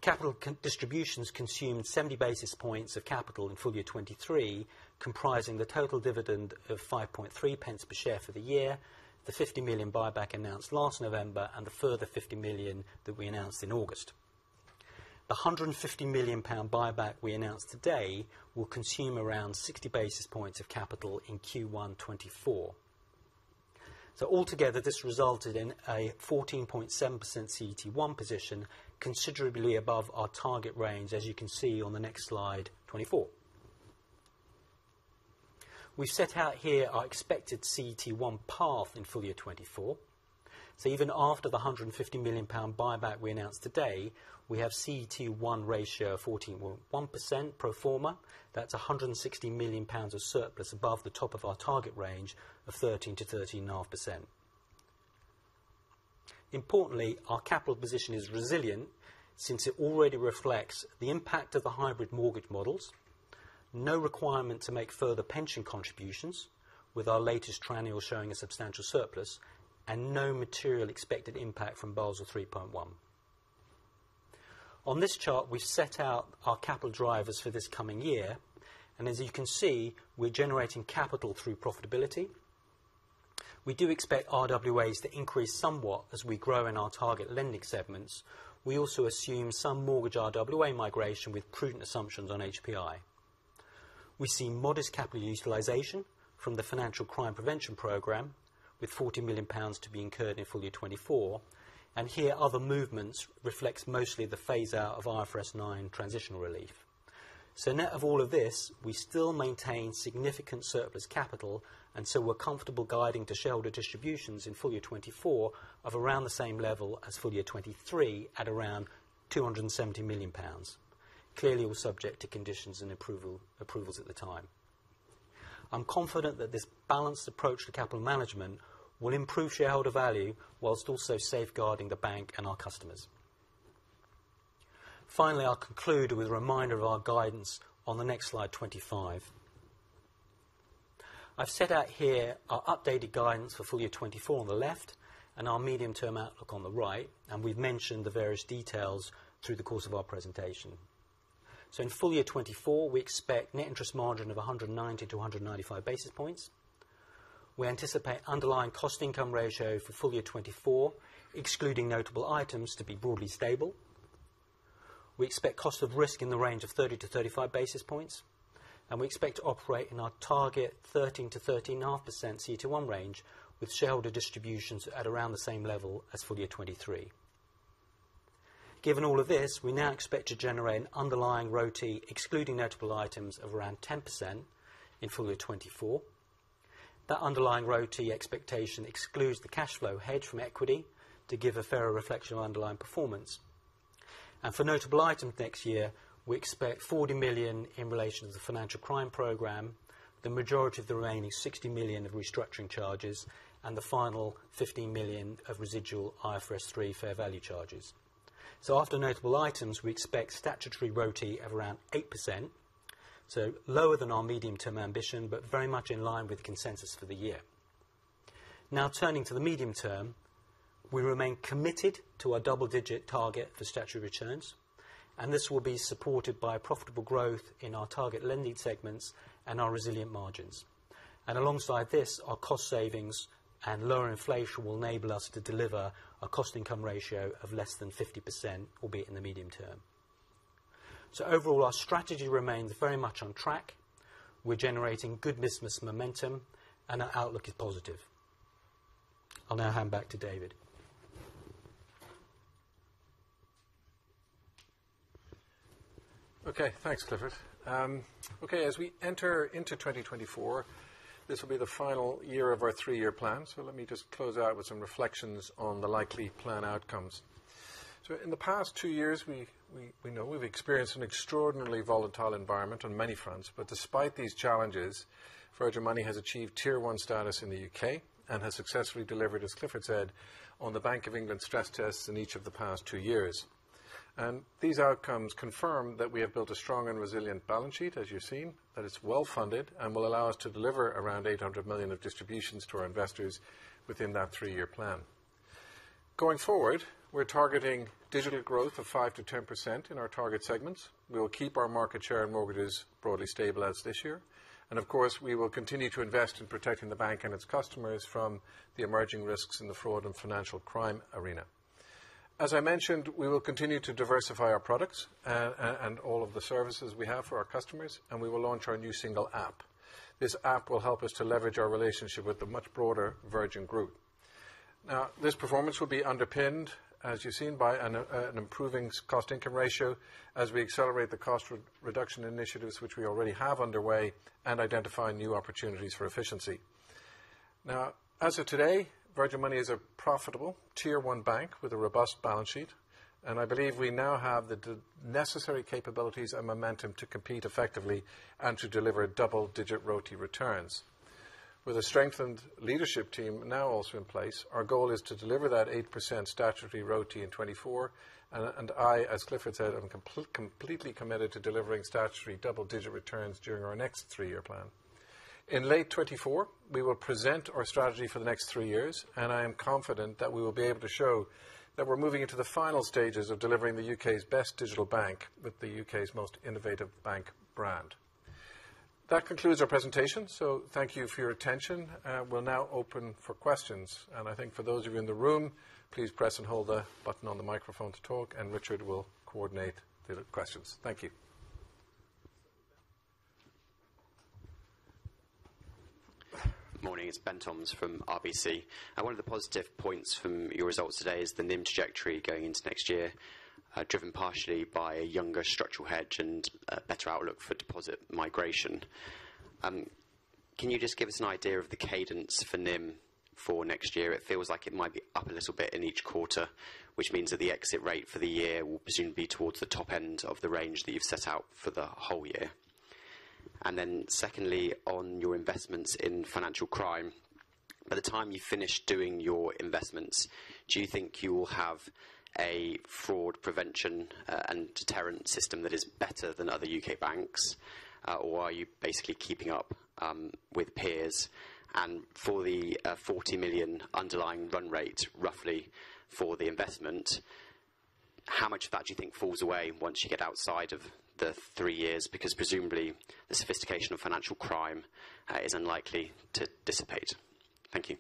Capital distributions consumed 70 basis points of capital in full year 2023, comprising the total dividend of 0.053 per share for the year, the 50 million buyback announced last November, and the further 50 million that we announced in August. The 150 million pound buyback we announced today will consume around 60 basis points of capital in Q1 2024. So altogether, this resulted in a 14.7% CET1 position, considerably above our target range, as you can see on the next slide, 24. We've set out here our expected CET1 path in full year 2024. So even after the 150 million pound buyback we announced today, we have CET1 ratio of 14.1% pro forma. That's 160 million pounds of surplus above the top of our target range of 13%-13.5%. Importantly, our capital position is resilient since it already reflects the impact of the hybrid mortgage models, no requirement to make further pension contributions with our latest triennial showing a substantial surplus, and no material expected impact from Basel 3.1. On this chart, we've set out our capital drivers for this coming year, and as you can see, we're generating capital through profitability. We do expect RWAs to increase somewhat as we grow in our target lending segments. We also assume some mortgage RWA migration with prudent assumptions on HPI. We see modest capital utilization from the Financial Crime Prevention program, with 40 million pounds to be incurred in full year 2024. And here, other movements reflects mostly the phaseout of IFRS 9 transitional relief. So net of all of this, we still maintain significant surplus capital, and so we're comfortable guiding to shareholder distributions in full year 2024 of around the same level as full year 2023, at around 270 million pounds. Clearly, we're subject to conditions and approval, approvals at the time. I'm confident that this balanced approach to capital management will improve shareholder value whilst also safeguarding the bank and our customers. Finally, I'll conclude with a reminder of our guidance on the next slide, 25. I've set out here our updated guidance for full year 2024 on the left and our medium-term outlook on the right, and we've mentioned the various details through the course of our presentation. So in full year 2024, we expect net interest margin of 190-195 basis points. We anticipate underlying cost income ratio for full year 2024, excluding notable items, to be broadly stable. We expect cost of risk in the range of 30-35 basis points, and we expect to operate in our target 13%-13.5% CET1 range, with shareholder distributions at around the same level as full year 2023. Given all of this, we now expect to generate an underlying ROTE, excluding notable items, of around 10% in full year 2024. That underlying ROTE expectation excludes the cash flow hedge from equity to give a fairer reflection of underlying performance. For notable items next year, we expect 40 million in relation to the financial crime program, the majority of the remaining 60 million of restructuring charges, and the final 15 million of residual IFRS 3 fair value charges. After notable items, we expect statutory ROTE of around 8%, so lower than our medium term ambition, but very much in line with consensus for the year. Now turning to the medium term, we remain committed to our double-digit target for statutory returns, and this will be supported by profitable growth in our target lending segments and our resilient margins. Alongside this, our cost savings and lower inflation will enable us to deliver a cost income ratio of less than 50%, albeit in the medium term. Overall, our strategy remains very much on track. We're generating good business momentum, and our outlook is positive. I'll now hand back to David. Okay, thanks, Clifford. Okay, as we enter into 2024, this will be the final year of our three-year plan. So let me just close out with some reflections on the likely plan outcomes. So in the past two years, we know we've experienced an extraordinarily volatile environment on many fronts, but despite these challenges, Virgin Money has achieved Tier 1 status in the U.K. and has successfully delivered, as Clifford said, on the Bank of England stress tests in each of the past two years. And these outcomes confirm that we have built a strong and resilient balance sheet, as you've seen. That it's well-funded and will allow us to deliver around 800 million of distributions to our investors within that three-year plan. Going forward, we're targeting digital growth of 5%-10% in our target segments. We will keep our market share and mortgages broadly stable as this year, and of course, we will continue to invest in protecting the bank and its customers from the emerging risks in the fraud and financial crime arena. As I mentioned, we will continue to diversify our products, and all of the services we have for our customers, and we will launch our new single app. This app will help us to leverage our relationship with the much broader Virgin Group. Now, this performance will be underpinned, as you've seen, by an improving cost income ratio as we accelerate the cost re-reduction initiatives, which we already have underway, and identify new opportunities for efficiency. Now, as of today, Virgin Money is a profitable Tier 1 bank with a robust balance sheet, and I believe we now have the necessary capabilities and momentum to compete effectively and to deliver double-digit ROTE returns. With a strengthened leadership team now also in place, our goal is to deliver that 8% statutory ROTE in 2024, and I, as Clifford said, am completely committed to delivering statutory double-digit returns during our next three-year plan. In late 2024, we will present our strategy for the next three years, and I am confident that we will be able to show that we're moving into the final stages of delivering the U.K.'s best digital bank with the U.K.'s most innovative bank brand. That concludes our presentation, so thank you for your attention. We'll now open for questions, and I think for those of you in the room, please press and hold the button on the microphone to talk, and Richard will coordinate the questions. Thank you. Morning, it's Ben Toms from RBC. Now, one of the positive points from your results today is the NIM trajectory going into next year, driven partially by a younger structural hedge and better outlook for deposit migration. Can you just give us an idea of the cadence for NIM for next year? It feels like it might be up a little bit in each quarter, which means that the exit rate for the year will presumably be towards the top end of the range that you've set out for the whole year. And then secondly, on your investments in financial crime, by the time you finish doing your investments, do you think you will have a fraud prevention and deterrent system that is better than other U.K. banks, or are you basically keeping up with peers? For the 40 million underlying run rate, roughly for the investment, how much of that do you think falls away once you get outside of the three years? Because presumably, the sophistication of financial crime is unlikely to dissipate. Thank you.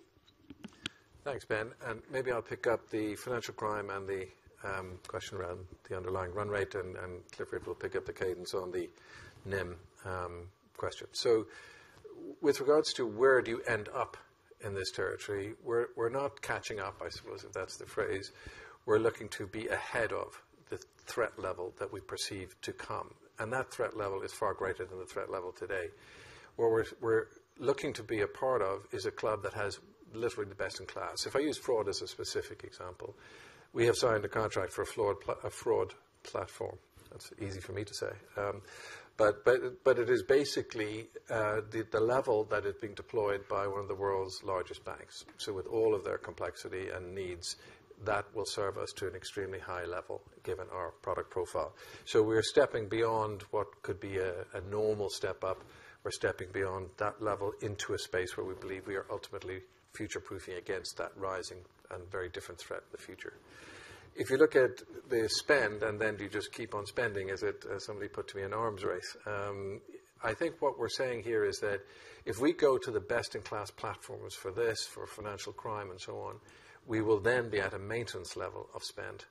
Thanks, Ben, and maybe I'll pick up the financial crime and the question around the underlying run rate, and Clifford will pick up the cadence on the NIM question. So with regards to where do you end up in this territory, we're not catching up, I suppose, if that's the phrase. We're looking to be ahead of the threat level that we perceive to come, and that threat level is far greater than the threat level today. Where we're looking to be a part of is a club that has literally the best in class. If I use fraud as a specific example, we have signed a contract for a fraud platform. That's easy for me to say. But it is basically the level that is being deployed by one of the world's largest banks. So with all of their complexity and needs, that will serve us to an extremely high level, given our product profile. So we are stepping beyond what could be a normal step up. We're stepping beyond that level into a space where we believe we are ultimately future-proofing against that rising and very different threat in the future. If you look at the spend, and then do you just keep on spending, as somebody put to me, an arms race? I think what we're saying here is that if we go to the best-in-class platforms for this, for financial crime, and so on, we will then be at a maintenance level of spend,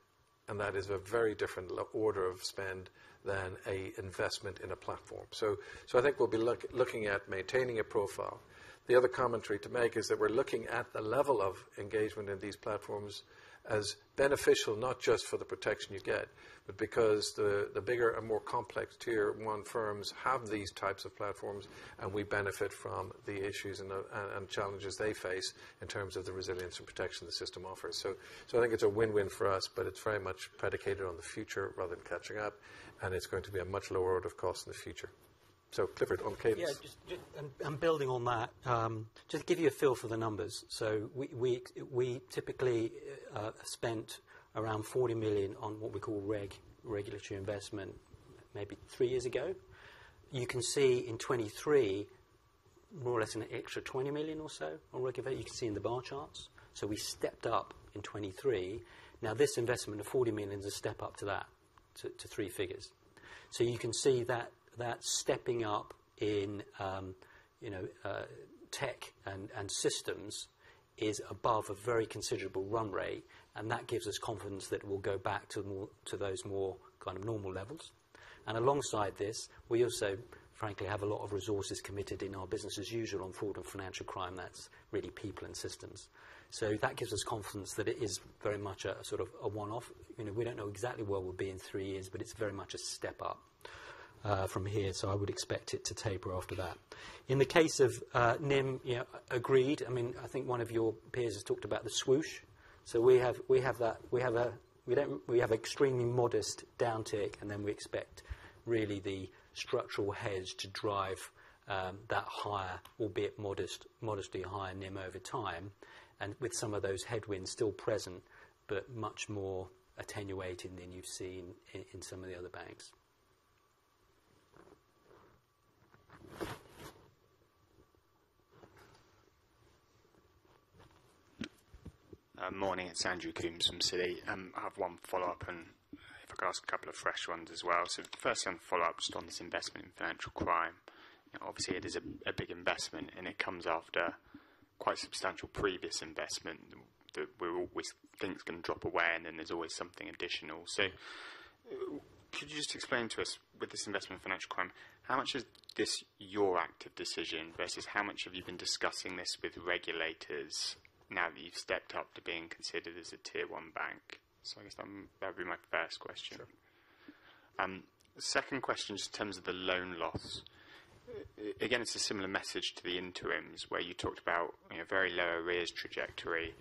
and that is a very different lower order of spend than an investment in a platform. So I think we'll be looking at maintaining a profile. The other commentary to make is that we're looking at the level of engagement in these platforms as beneficial, not just for the protection you get, but because the bigger and more complex Tier 1 firms have these types of platforms, and we benefit from the issues and the challenges they face in terms of the resilience and protection the system offers. So I think it's a win-win for us, but it's very much predicated on the future rather than catching up, and it's going to be a much lower order of cost in the future. So Clifford, on cadence. Yeah, just and building on that, just to give you a feel for the numbers. So we typically spent around 40 million on what we call reg, regulatory investment, maybe three years ago. You can see in 2023, more or less an extra 20 million or so on reg investment. You can see in the bar charts. So we stepped up in 2023. Now, this investment of 40 million is a step up to that, to three figures. So you can see that stepping up in, you know, tech and systems is above a very considerable run rate, and that gives us confidence that we'll go back to more to those more kind of normal levels. And alongside this, we also, frankly, have a lot of resources committed in our business as usual on fraud and financial crime. That's really people and systems. So that gives us confidence that it is very much a, sort of a one-off. You know, we don't know exactly where we'll be in three years, but it's very much a step up from here, so I would expect it to taper after that. In the case of NIM, yeah, agreed. I mean, I think one of your peers has talked about the swoosh. So we have that. We have extremely modest downtick, and then we expect really the structural hedge to drive that higher, albeit modestly higher NIM over time, and with some of those headwinds still present, but much more attenuating than you've seen in some of the other banks. Morning. It's Andrew Coombs from Citi. I have one follow-up, and if I could ask a couple of fresh ones as well. So the first one follow-up, just on this investment in financial crime. Obviously, it is a big investment, and it comes after quite substantial previous investment, that we're always think it's gonna drop away, and then there's always something additional. So could you just explain to us, with this investment in financial crime, how much is this your active decision versus how much have you been discussing this with regulators now that you've stepped up to being considered as a Tier 1 Bank? So I guess that, that'd be my first question. Sure. Second question, just in terms of the loan loss. Again, it's a similar message to the interims, where you talked about, you know, very low arrears trajectory,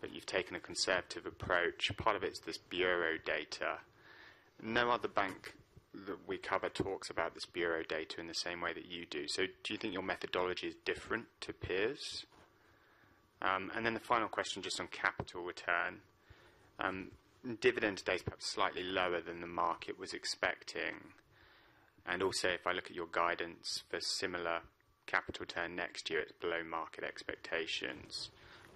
but you've taken a conservative approach. Part of it's this bureau data. No other bank that we cover talks about this bureau data in the same way that you do. So do you think your methodology is different to peers? And then the final question, just on capital return. Dividend today is perhaps slightly lower than the market was expecting, and also, if I look at your guidance for similar capital return next year, it's below market expectations.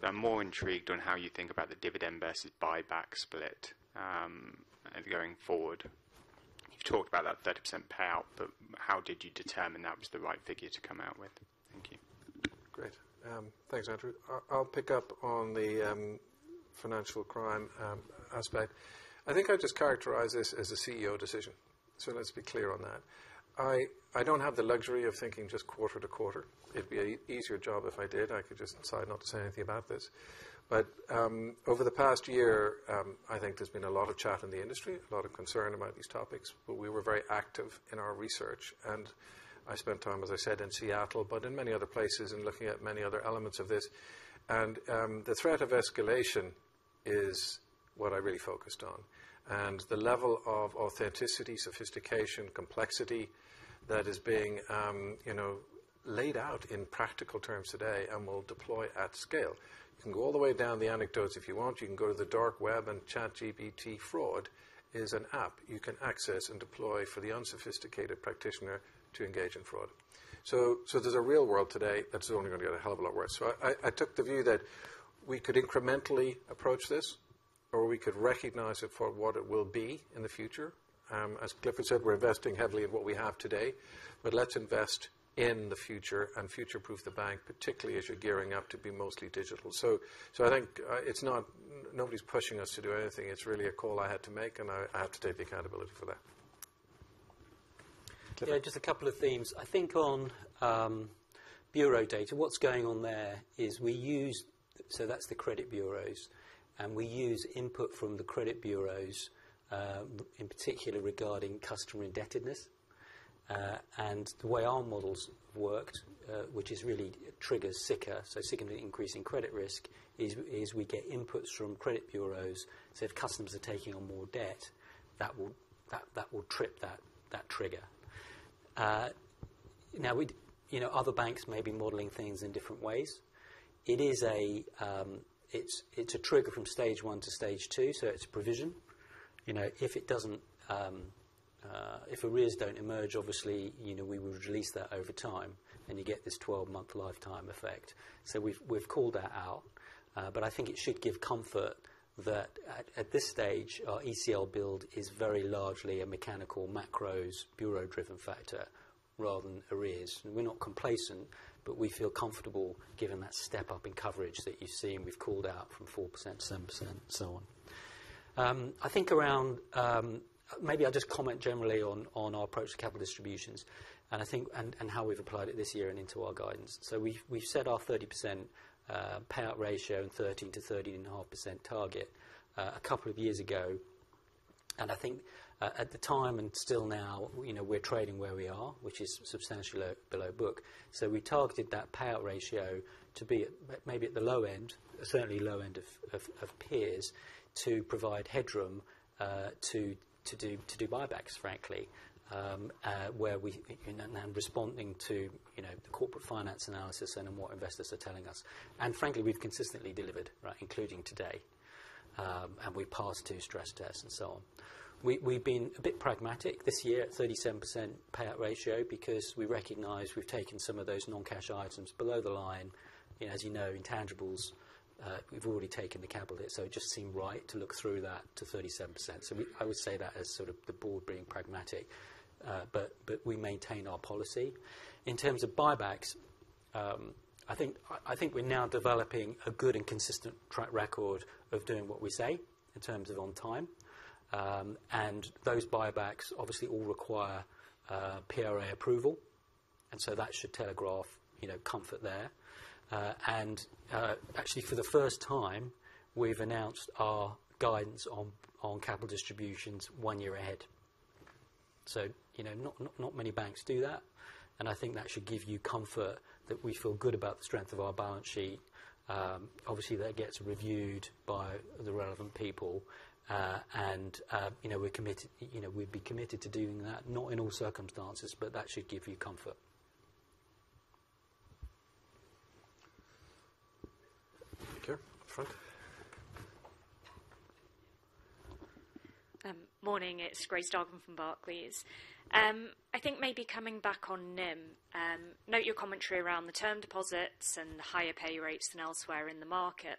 I'm more intrigued on how you think about the dividend versus buyback split, going forward. You've talked about that 30% payout, but how did you determine that was the right figure to come out with? Thank you. Great. Thanks, Andrew. I, I'll pick up on the, financial crime, aspect. I think I'd just characterize this as a CEO decision, so let's be clear on that. I, I don't have the luxury of thinking just quarter to quarter. It'd be a easier job if I did. I could just decide not to say anything about this. But, over the past year, I think there's been a lot of chat in the industry, a lot of concern about these topics, but we were very active in our research. And I spent time, as I said, in Seattle, but in many other places and looking at many other elements of this. The threat of escalation is what I really focused on, and the level of authenticity, sophistication, complexity that is being, you know, laid out in practical terms today and will deploy at scale. You can go all the way down the anecdotes if you want. You can go to the dark web and ChatGPT Fraud is an app you can access and deploy for the unsophisticated practitioner to engage in fraud. So, so there's a real world today that's only going to get a hell of a lot worse. So I, I took the view that we could incrementally approach this, or we could recognize it for what it will be in the future. As Clifford said, we're investing heavily in what we have today, but let's invest in the future and future-proof the bank, particularly as you're gearing up to be mostly digital. So, I think, it's not... Nobody's pushing us to do anything. It's really a call I had to make, and I, I have to take the accountability for that. Clifford? Yeah, just a couple of themes. I think on bureau data, what's going on there is we use. So that's the credit bureaus, and we use input from the credit bureaus, in particular regarding customer indebtedness. And the way our models worked, which really triggers SICR, so significantly increasing credit risk, is we get inputs from credit bureaus. So if customers are taking on more debt, that will trip that trigger. Now, you know, other banks may be modeling things in different ways. It is a trigger from stage one to stage two, so it's a provision. You know, if it doesn't, if arrears don't emerge, obviously, you know, we would release that over time, and you get this 12-month lifetime effect. So we've called that out, but I think it should give comfort that at this stage, our ECL build is very largely a mechanical, macros, bureau-driven factor rather than arrears. And we're not complacent, but we feel comfortable given that step up in coverage that you've seen. We've called out from 4%, 7%, and so on. I think around, maybe I'll just comment generally on our approach to capital distributions, and I think, and how we've applied it this year and into our guidance. So we've set our 30% payout ratio in 13%-13.5% target a couple of years ago, and I think at the time and still now, you know, we're trading where we are, which is substantially below book. So we targeted that payout ratio to be at, maybe at the low end, certainly low end of peers, to provide headroom, to do buybacks, frankly. Where we and responding to, you know, corporate finance analysis and then what investors are telling us. And frankly, we've consistently delivered, right, including today, and we passed two stress tests and so on. We've been a bit pragmatic this year at 37% payout ratio because we recognize we've taken some of those non-cash items below the line. As you know, intangibles, we've already taken the capital hit, so it just seemed right to look through that to 37%. So I would say that as sort of the board being pragmatic, but we maintain our policy. In terms of buybacks, I think, I think we're now developing a good and consistent track record of doing what we say in terms of on time. And those buybacks obviously all require PRA approval, and so that should telegraph, you know, comfort there. And, actually, for the first time, we've announced our guidance on, on capital distributions one year ahead. So, you know, not, not many banks do that, and I think that should give you comfort that we feel good about the strength of our balance sheet. Obviously, that gets reviewed by the relevant people, and, you know, we're committed, you know, we'd be committed to doing that. Not in all circumstances, but that should give you comfort. Thank you. Front. Morning, it's Grace Dargan from Barclays. I think maybe coming back on NIM, note your commentary around the term deposits and the higher pay rates than elsewhere in the market.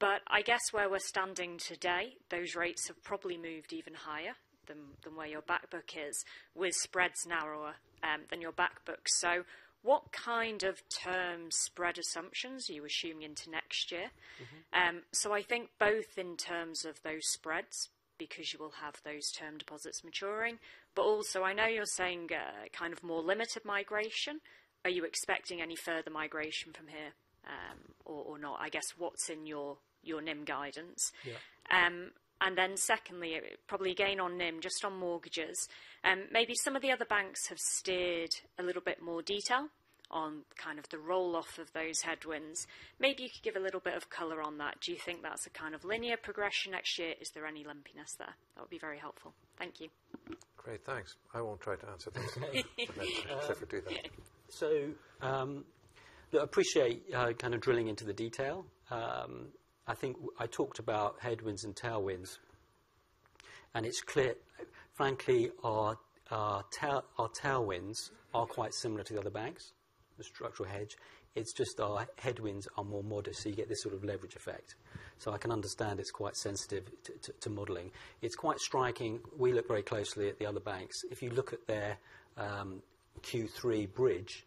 But I guess where we're standing today, those rates have probably moved even higher than where your back book is, with spreads narrower than your back book. So what kind of term spread assumptions are you assuming into next year? Mm-hmm. So I think both in terms of those spreads, because you will have those term deposits maturing, but also, I know you're saying, kind of more limited migration. Are you expecting any further migration from here, or not? I guess, what's in your, your NIM guidance? Yeah. and then secondly, probably again, on NIM, just on mortgages, maybe some of the other banks have steered a little bit more detail on kind of the roll off of those headwinds. Maybe you could give a little bit of color on that. Do you think that's a kind of linear progression next year? Is there any lumpiness there? That would be very helpful. Thank you. Great, thanks. I won't try to answer those. Let Clifford do that. So, I appreciate, kind of drilling into the detail. I think I talked about headwinds and tailwinds, and it's clear, frankly, our, our tail, our tailwinds are quite similar to the other banks, the structural hedge. It's just our headwinds are more modest, so you get this sort of leverage effect. So I can understand it's quite sensitive to, to, to modeling. It's quite striking. We look very closely at the other banks. If you look at their, Q3 bridge,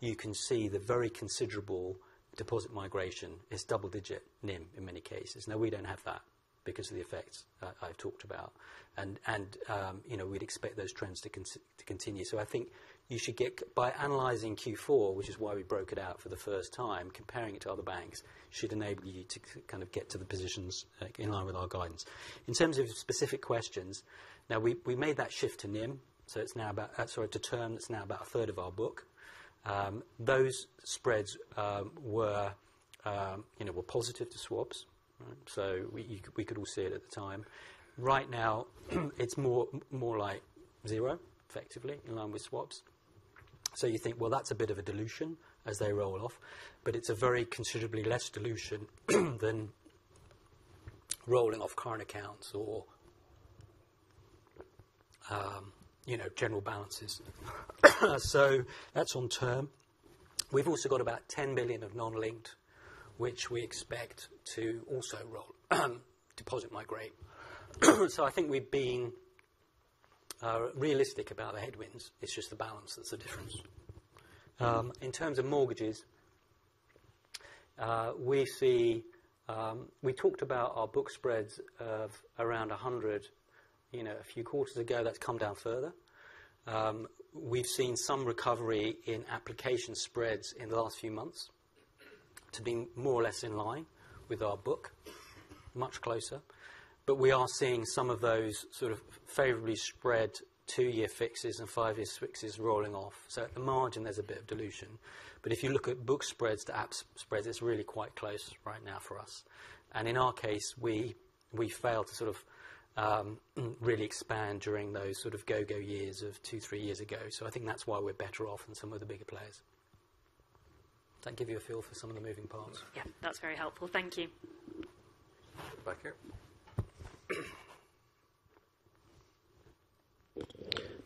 you can see the very considerable deposit migration is double-digit NIM in many cases. Now, we don't have that because of the effects, I've talked about, and, and, you know, we'd expect those trends to con- to continue. So I think you should get... By analyzing Q4, which is why we broke it out for the first time, comparing it to other banks, should enable you to kind of get to the positions in line with our guidance. In terms of specific questions, now, we made that shift to NIM, so it's now about... Sorry, to term, it's now about a third of our book. Those spreads were, you know, were positive to swaps, so we could all see it at the time. Right now, it's more like zero, effectively, in line with swaps. So you think, "Well, that's a bit of a dilution as they roll off," but it's a very considerably less dilution than rolling off current accounts or, you know, general balances. So that's on term. We've also got about 10 billion of non-linked, which we expect to also roll, deposit migrate. So I think we've been realistic about the headwinds. It's just the balance that's the difference. In terms of mortgages, we talked about our book spreads of around 100, you know, a few quarters ago. That's come down further. We've seen some recovery in application spreads in the last few months to being more or less in line with our book, much closer. But we are seeing some of those sort of favorably spread two-year fixes and five-year fixes rolling off. So at the margin, there's a bit of dilution. But if you look at book spreads to app spreads, it's really quite close right now for us. In our case, we failed to sort of really expand during those sort of go-go years of two, three years ago. So I think that's why we're better off than some of the bigger players. Does that give you a feel for some of the moving parts? Yeah, that's very helpful. Thank you. Back here.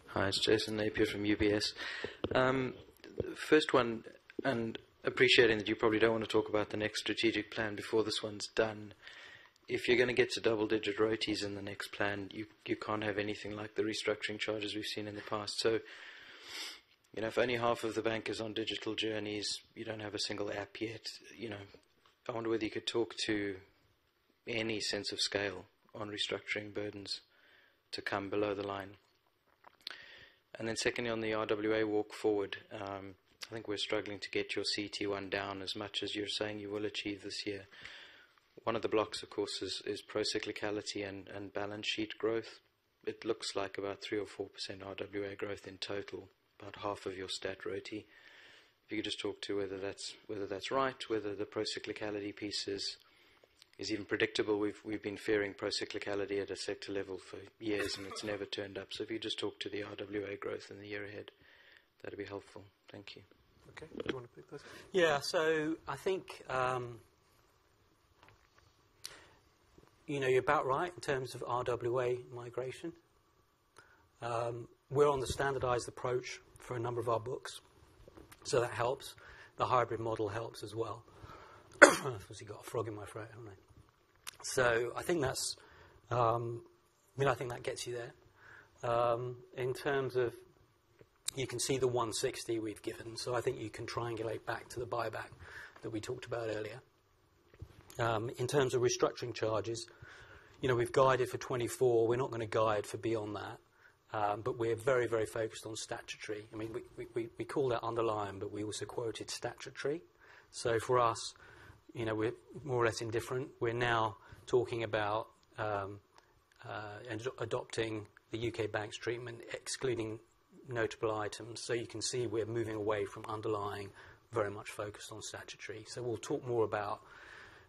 Hi, it's Jason Napier from UBS. First one, appreciating that you probably don't want to talk about the next strategic plan before this one's done. If you're going to get to double-digit ROTEs in the next plan, you can't have anything like the restructuring charges we've seen in the past. So you know, if only half of the bank is on digital journeys, you don't have a single app yet. You know, I wonder whether you could talk to any sense of scale on restructuring burdens to come below the line. And then secondly, on the RWA walk forward, I think we're struggling to get your CET1 down as much as you're saying you will achieve this year. One of the blocks, of course, is pro-cyclicality and balance sheet growth. It looks like about 3%-4% RWA growth in total, about half of your stat ROTE. If you could just talk to whether that's, whether that's right, whether the pro-cyclicality piece is, is even predictable. We've, we've been fearing pro-cyclicality at a sector level for years, and it's never turned up. So if you just talk to the RWA growth in the year ahead, that'd be helpful. Thank you. Okay. Do you wanna go first? Yeah, so I think, you know, you're about right in terms of RWA migration. We're on the standardized approach for a number of our books, so that helps. The hybrid model helps as well. Obviously, got a frog in my throat, haven't I? So I think that's... I mean, I think that gets you there. In terms of, you can see the 160 we've given, so I think you can triangulate back to the buyback that we talked about earlier. In terms of restructuring charges, you know, we've guided for 24. We're not gonna guide for beyond that, but we're very, very focused on statutory. I mean, we call that underlying, but we also quoted statutory. So for us, you know, we're more or less indifferent. We're now talking about adopting the U.K. banks treatment, excluding notable items. So you can see, we're moving away from underlying, very much focused on statutory. So we'll talk more about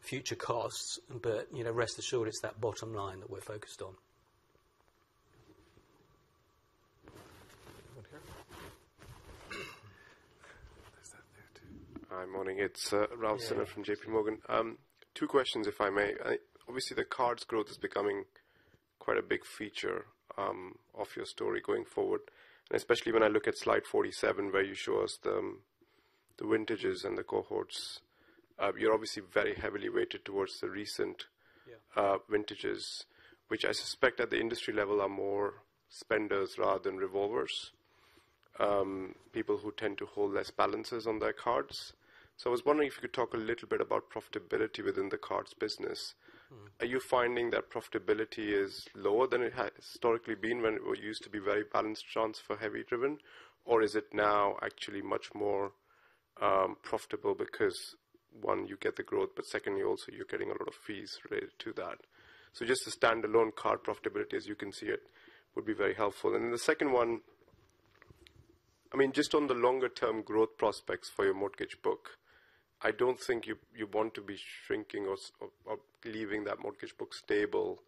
future costs, but, you know, rest assured, it's that bottom line that we're focused on. One here. Is that there, too? Hi, morning. It's Yeah. Robert Smith from JPMorgan. Two questions, if I may. Obviously, the cards growth is becoming quite a big feature of your story going forward, and especially when I look at slide 47, where you show us the vintages and the cohorts. You're obviously very heavily weighted towards the recent- Yeah... vintages, which I suspect at the industry level, are more spenders rather than revolvers. People who tend to hold less balances on their cards. So I was wondering if you could talk a little bit about profitability within the cards business. Mm-hmm. Are you finding that profitability is lower than it has historically been, when it used to be very balance transfer heavy driven? Or is it now actually much more profitable because, one, you get the growth, but secondly, also you're getting a lot of fees related to that. So just the standalone card profitability, as you can see it, would be very helpful. And the second one, I mean, just on the longer term growth prospects for your mortgage book, I don't think you want to be shrinking or leaving that mortgage book stable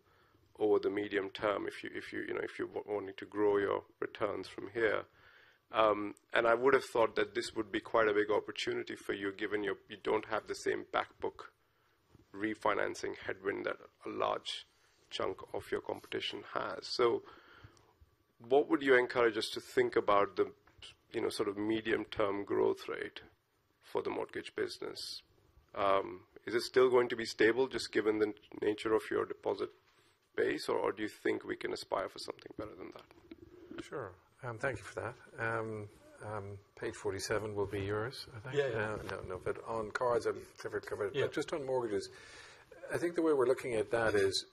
over the medium term, if you know, if you're wanting to grow your returns from here. I would have thought that this would be quite a big opportunity for you, given you, you don't have the same back book refinancing headwind that a large chunk of your competition has. So what would you encourage us to think about the, you know, sort of medium-term growth rate for the mortgage business? Is it still going to be stable, just given the nature of your deposit base, or, or do you think we can aspire for something better than that? Sure. Thank you for that. Page 47 will be yours, I think? Yeah, yeah. Yeah. No, no, but on cards, I've covered, covered. Yeah. But just on mortgages, I think the way we're looking at that is,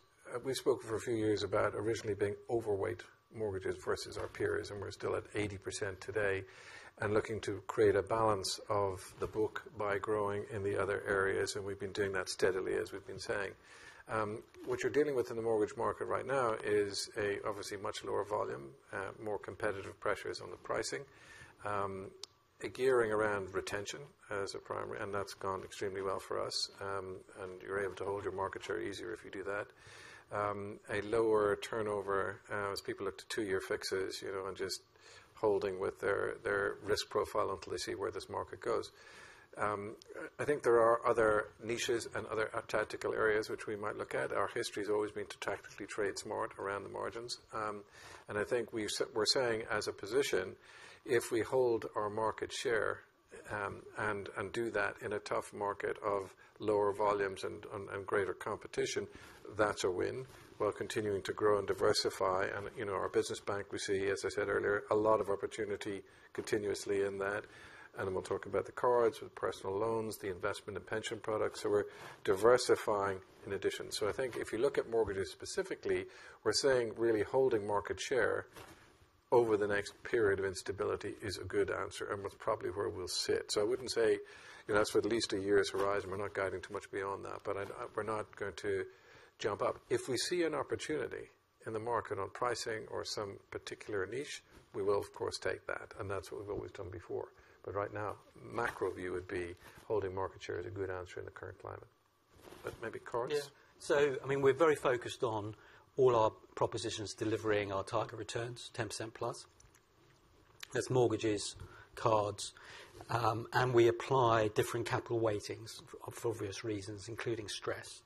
we spoke for a few years about originally being overweight mortgages versus our peers, and we're still at 80% today, and looking to create a balance of the book by growing in the other areas. And we've been doing that steadily, as we've been saying. What you're dealing with in the mortgage market right now is an obviously much lower volume, more competitive pressures on the pricing. A gearing around retention as a primary, and that's gone extremely well for us. And you're able to hold your market share easier if you do that. A lower turnover, as people look to two-year fixes, you know, and just holding with their, their risk profile until they see where this market goes. I think there are other niches and other tactical areas which we might look at. Our history has always been to tactically trade smart around the margins. And I think we're saying as a position, if we hold our market share, and do that in a tough market of lower volumes and greater competition, that's a win. We're continuing to grow and diversify and, you know, our business bank, we see, as I said earlier, a lot of opportunity continuously in that. And we'll talk about the cards, the personal loans, the investment and pension products, so we're diversifying in addition. So I think if you look at mortgages specifically, we're saying really holding market share over the next period of instability is a good answer and was probably where we'll sit. So I wouldn't say, you know, that's for at least a year's horizon. We're not guiding too much beyond that, but I'd... We're not going to jump up. If we see an opportunity in the market on pricing or some particular niche, we will, of course, take that, and that's what we've always done before. But right now, macro view would be holding market share is a good answer in the current climate. But maybe cards? Yeah. So I mean, we're very focused on all our propositions, delivering our target returns, 10%+. That's mortgages, cards, and we apply different capital weightings for obvious reasons, including stress.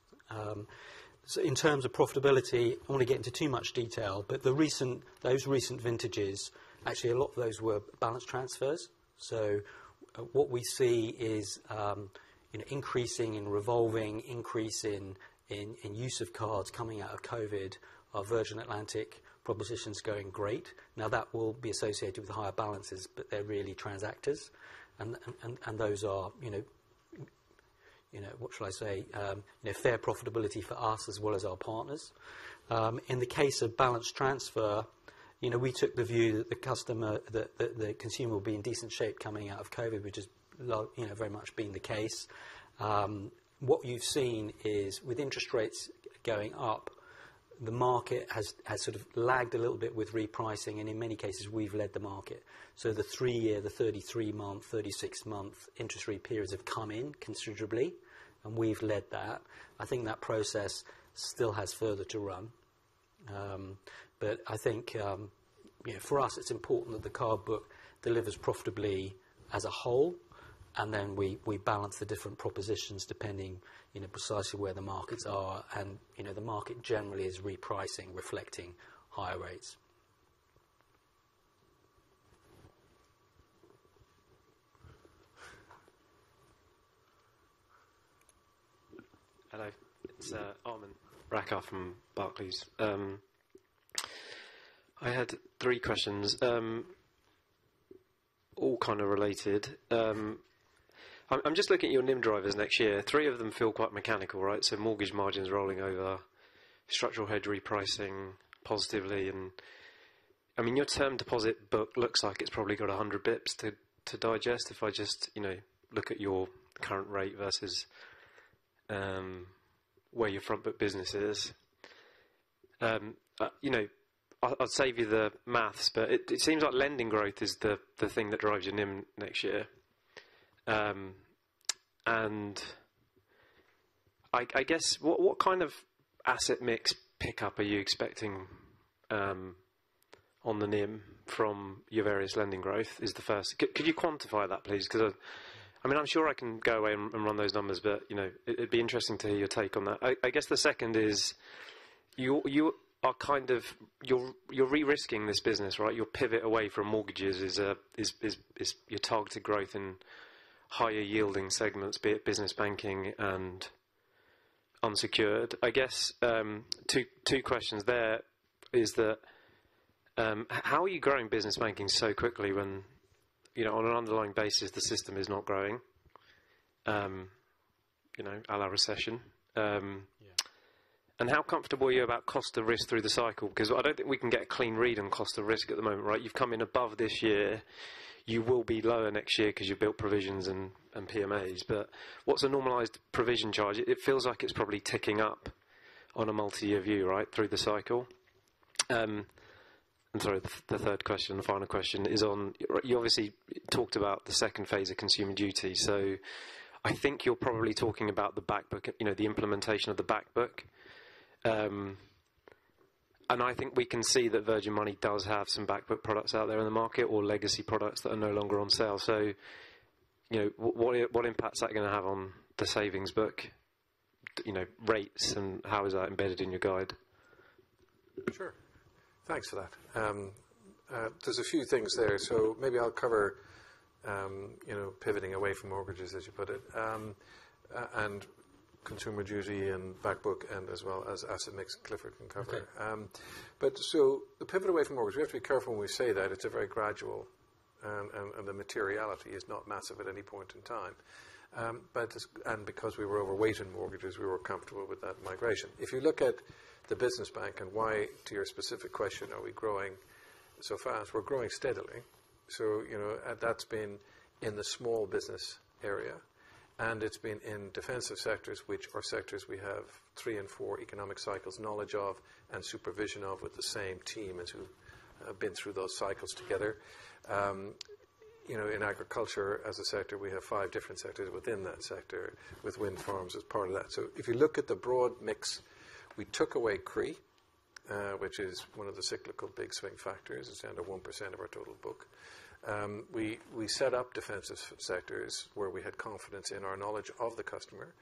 So in terms of profitability, I won't get into too much detail, but the recent, those recent vintages, actually, a lot of those were balance transfers. So what we see is, an increasing and revolving increase in use of cards coming out of COVID. Our Virgin Atlantic proposition's going great. Now, that will be associated with higher balances, but they're really transactors. And those are, you know, you know, what shall I say? A fair profitability for us as well as our partners. In the case of balance transfer, you know, we took the view that the customer, that the consumer will be in decent shape coming out of COVID, which is, you know, very much been the case. What you've seen is with interest rates going up, the market has sort of lagged a little bit with repricing, and in many cases, we've led the market. So the three-year, the 33-month, 36-month interest rate periods have come in considerably, and we've led that. I think that process still has further to run. But I think, you know, for us, it's important that the card book delivers profitably as a whole, and then we balance the different propositions depending, you know, precisely where the markets are. And, you know, the market generally is repricing, reflecting higher rates. Hello, it's Aman Rakkar from Barclays. I had three questions, all kind of related. I'm just looking at your NIM drivers next year. Three of them feel quite mechanical, right? So mortgage margins rolling over, structural hedge repricing positively, and, I mean, your term deposit book looks like it's probably got 100 basis points to digest. If I just, you know, look at your current rate versus where your front book business is. You know, I'll save you the math, but it seems like lending growth is the thing that drives your NIM next year. And I guess, what kind of asset mix pickup are you expecting on the NIM from your various lending growth, is the first... Could you quantify that, please? 'Cause, I mean, I'm sure I can go away and run those numbers, but, you know, it'd be interesting to hear your take on that. I guess the second is, you are kind of- you're re-risking this business, right? Your pivot away from mortgages is your targeted growth in higher yielding segments, be it business banking and unsecured. I guess, two questions there, is that, how are you growing business banking so quickly when, you know, on an underlying basis, the system is not growing, you know, à la recession? Yeah. How comfortable are you about cost and risk through the cycle? 'Cause I don't think we can get a clean read on cost and risk at the moment, right? You've come in above this year. You will be lower next year because you've built provisions and, and PMAs, but what's a normalized provision charge? It feels like it's probably ticking up on a multi-year view, right, through the cycle. I'm sorry, the third question, the final question is on... You obviously talked about the phase II of Consumer Duty, so I think you're probably talking about the back book, you know, the implementation of the back book. And I think we can see that Virgin Money does have some back book products out there in the market or legacy products that are no longer on sale. You know, what impact is that going to have on the savings book, you know, rates, and how is that embedded in your guide? Sure. Thanks for that. There's a few things there, so maybe I'll cover, you know, pivoting away from mortgages, as you put it, and Consumer Duty and back book, and as well as asset mix. Clifford can cover. Okay. But so the pivot away from mortgage, we have to be careful when we say that. It's a very gradual, and the materiality is not massive at any point in time. But because we were overweight in mortgages, we were comfortable with that migration. If you look at the business bank and why, to your specific question, are we growing so fast? We're growing steadily. So, you know, that's been in the small business area, and it's been in defensive sectors, which are sectors we have three and four economic cycles, knowledge of and supervision of, with the same team as who have been through those cycles together. You know, in agriculture, as a sector, we have five different sectors within that sector, with wind farms as part of that. So if you look at the broad mix, we took away CRE, which is one of the cyclical big swing factors. It's under 1% of our total book. We set up defensive sectors where we had confidence in our knowledge of the customer.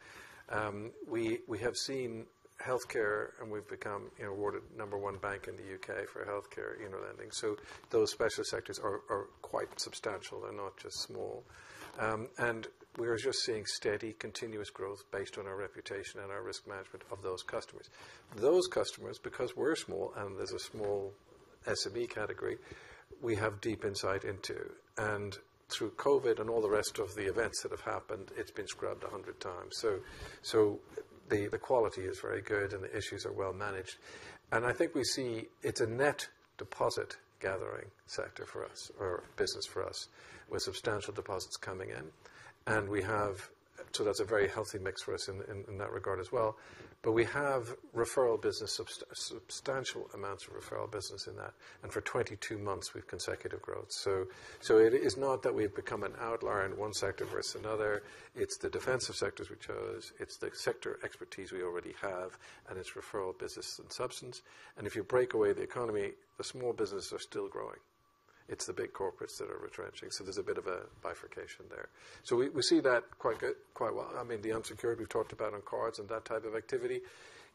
We have seen healthcare, and we've become awarded number one bank in the U.K. for healthcare, you know, lending. So those special sectors are quite substantial and not just small. And we are just seeing steady, continuous growth based on our reputation and our risk management of those customers. Those customers, because we're small and there's a small SME category, we have deep insight into. And through COVID and all the rest of the events that have happened, it's been scrubbed 100x. So the quality is very good, and the issues are well managed. And I think we see it's a net deposit gathering sector for us or business for us, with substantial deposits coming in. And we have. So that's a very healthy mix for us in that regard as well. But we have referral business, substantial amounts of referral business in that, and for 22 months, with consecutive growth. So it is not that we've become an outlier in one sector versus another. It's the defensive sectors we chose, it's the sector expertise we already have, and it's referral business and substance. And if you break away the economy, the small businesses are still growing.... it's the big corporates that are retrenching, so there's a bit of a bifurcation there. So we see that quite good, quite well. I mean, the unsecured we've talked about on cards and that type of activity,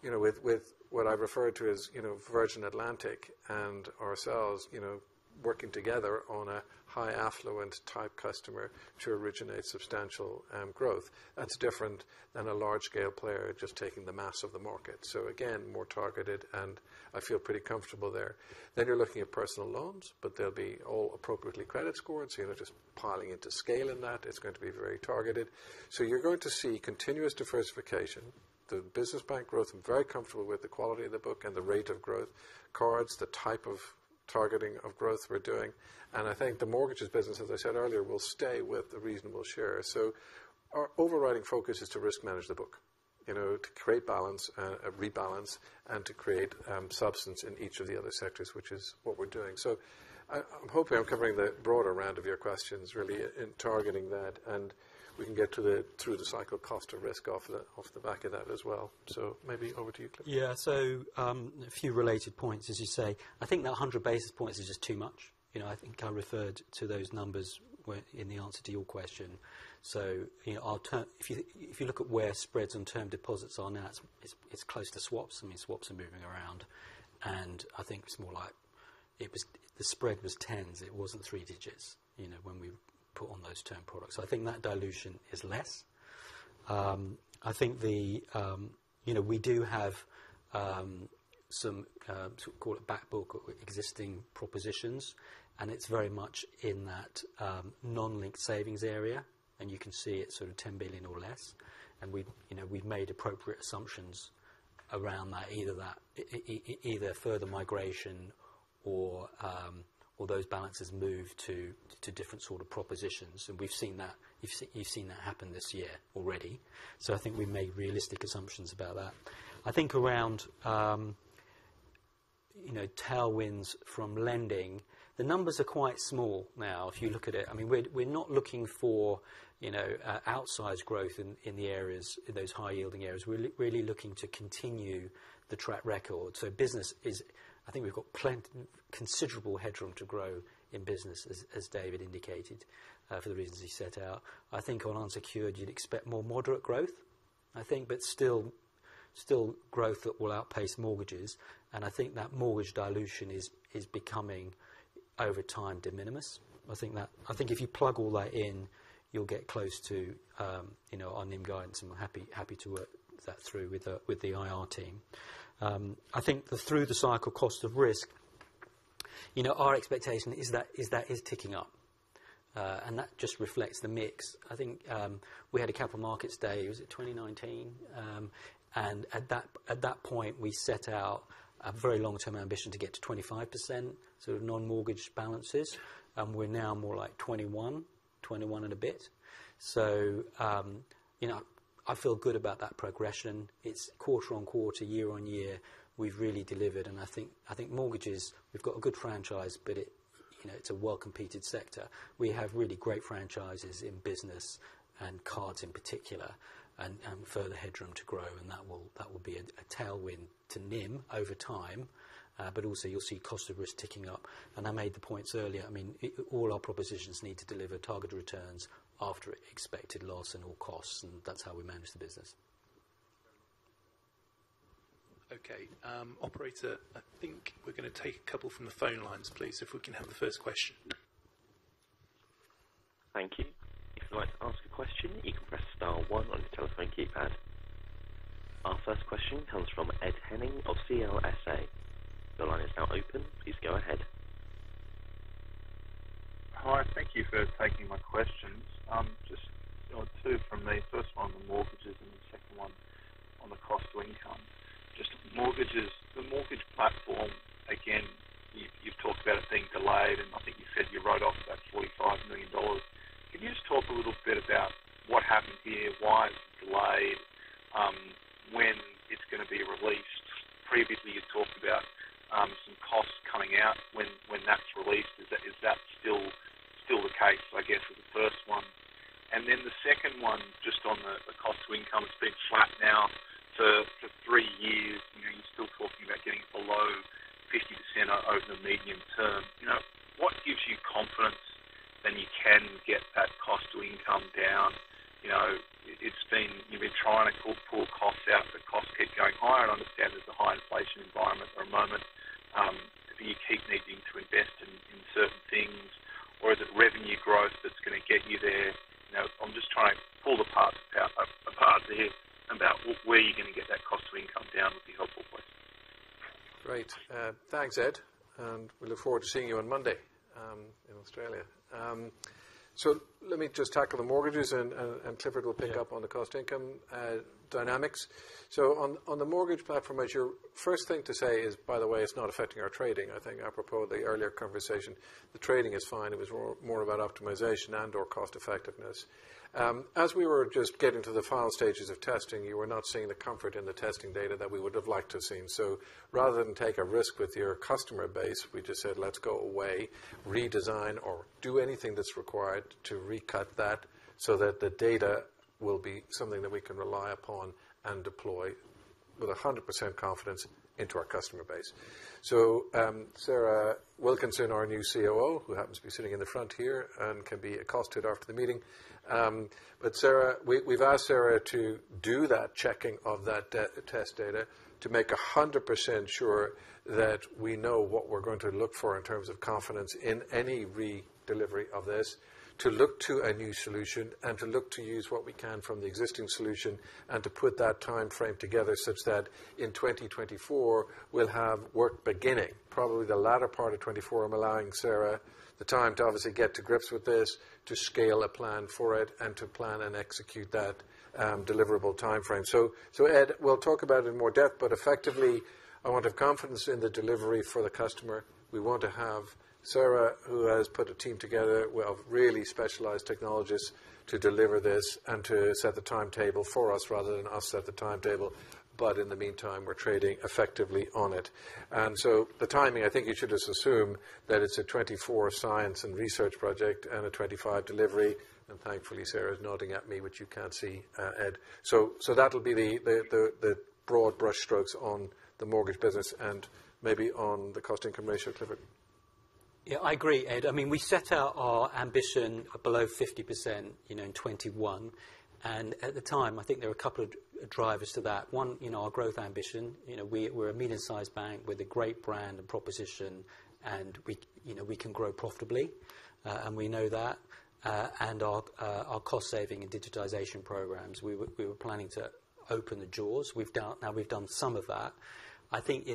you know, with, with what I've referred to as, you know, Virgin Atlantic and ourselves, you know, working together on a high affluent type customer to originate substantial growth. That's different than a large scale player, just taking the mass of the market. So again, more targeted, and I feel pretty comfortable there. Then you're looking at personal loans, but they'll be all appropriately credit scored, so you're not just piling into scale in that. It's going to be very targeted. So you're going to see continuous diversification. The business bank growth, I'm very comfortable with the quality of the book and the rate of growth. Cards, the type of targeting of growth we're doing, and I think the mortgages business, as I said earlier, will stay with the reasonable share. So our overriding focus is to risk manage the book, you know, to create balance and rebalance and to create substance in each of the other sectors, which is what we're doing. So I'm hoping I'm covering the broader round of your questions, really, in targeting that, and we can get to the through-the-cycle cost of risk off the back of that as well. So maybe over to you, Clifford. Yeah. So, a few related points, as you say. I think that 100 basis points is just too much. You know, I think I referred to those numbers where, in the answer to your question. So, you know, if you look at where spreads and term deposits are now, it's close to swaps. I mean, swaps are moving around, and I think it's more like. The spread was tens, it wasn't three digits, you know, when we put on those term products. So I think that dilution is less. I think the, you know, we do have some, call it back book or existing propositions, and it's very much in that non-linked savings area, and you can see it's sort of 10 billion or less. We've, you know, we've made appropriate assumptions around that, either that, either further migration or, or those balances move to, to different sort of propositions. We've seen that. You've seen that happen this year already. So I think we've made realistic assumptions about that. I think around, you know, tailwinds from lending, the numbers are quite small now, if you look at it. I mean, we're not looking for, you know, outsized growth in the areas, in those high-yielding areas. We're really looking to continue the track record. So business is. I think we've got plenty, considerable headroom to grow in business, as David indicated, for the reasons he set out. I think on unsecured, you'd expect more moderate growth, I think, but still growth that will outpace mortgages. I think that mortgage dilution is becoming, over time, de minimis. I think that, I think if you plug all that in, you'll get close to, you know, our NIM guidance, and we're happy to work that through with the IR team. I think the through the cycle cost of risk, you know, our expectation is that that is ticking up, and that just reflects the mix. I think we had a Capital Markets Day, was it 2019? And at that point, we set out a very long-term ambition to get to 25%, sort of non-mortgage balances, and we're now more like 21, 21 and a bit. So, you know, I feel good about that progression. It's quarter-on-quarter, year-on-year, we've really delivered, and I think, I think mortgages, we've got a good franchise, but it, you know, it's a well-competed sector. We have really great franchises in business and cards in particular, and further headroom to grow, and that will, that will be a tailwind to NIM over time. But also you'll see cost of risk ticking up. And I made the points earlier, I mean, all our propositions need to deliver targeted returns after expected loss and all costs, and that's how we manage the business. Okay, operator, I think we're going to take a couple from the phone lines, please, if we can have the first question. Thank you. If you'd like to ask a question, you can press star one on your telephone keypad. Our first question comes from Ed Henning of CLSA. Your line is now open. Please go ahead. Hi, thank you for taking my questions. Just, you know, two from me. First one on mortgages and the second one on the cost to income. Just mortgages, the mortgage platform, again, you, you've talked about it being delayed, and I think you said you wrote off about $45 million. Can you just talk a little bit about what happened here? Why it's delayed? When it's going to be released? Previously, you talked about some costs coming out. When that's released, is that still the case, I guess, for the first one? And then the second one, just on the cost to income, it's been flat now for three years, you know, you're still talking about getting below 50% over the medium term. You know, what gives you confidence that you can get that cost to income down? You know, it's been, you've been trying to pull costs out, but costs keep going higher. I understand there's a high inflation environment for a moment. Do you keep needing to invest in certain things, or is it revenue growth that's going to get you there? You know, I'm just trying to pull the parts apart here about where you're going to get that cost to income down would be helpful for you. Great. Thanks, Ed, and we look forward to seeing you on Monday in Australia. So let me just tackle the mortgages, and Clifford will pick up- Yeah... on the cost income dynamics. So on the mortgage platform, as your first thing to say is, by the way, it's not affecting our trading. I think apropos the earlier conversation, the trading is fine. It was more about optimization and/or cost effectiveness. As we were just getting to the final stages of testing, you were not seeing the comfort in the testing data that we would have liked to have seen. So rather than take a risk with your customer base, we just said, "Let's go away, redesign, or do anything that's required to recut that, so that the data will be something that we can rely upon and deploy."... with 100% confidence into our customer base. So, Sarah Wilkinson, our new COO, who happens to be sitting in the front here and can be accosted after the meeting. But Sarah, we've asked Sarah to do that checking of that test data to make 100% sure that we know what we're going to look for in terms of confidence in any redelivery of this, to look to a new solution, and to look to use what we can from the existing solution, and to put that time frame together such that in 2024, we'll have work beginning. Probably the latter part of 2024. I'm allowing Sarah the time to obviously get to grips with this, to scale a plan for it, and to plan and execute that deliverable time frame. So Ed, we'll talk about it in more depth, but effectively, I want to have confidence in the delivery for the customer. We want to have Sarah, who has put a team together of really specialized technologists, to deliver this and to set the timetable for us rather than us set the timetable. But in the meantime, we're trading effectively on it. And so the timing, I think you should just assume that it's a 2024 science and research project and a 2025 delivery. And thankfully, Sarah is nodding at me, which you can't see, Ed. So that'll be the broad brushstrokes on the mortgage business and maybe on the cost-income ratio, Clifford. Yeah, I agree, Ed. I mean, we set out our ambition below 50%, you know, in 2021, and at the time, I think there were a couple of drivers to that. One, you know, our growth ambition. You know, we, we're a medium-sized bank with a great brand and proposition, and we, you know, we can grow profitably, and we know that. And our, our cost saving and digitization programs, we were, we were planning to open the doors. We've done. Now, we've done some of that. I think,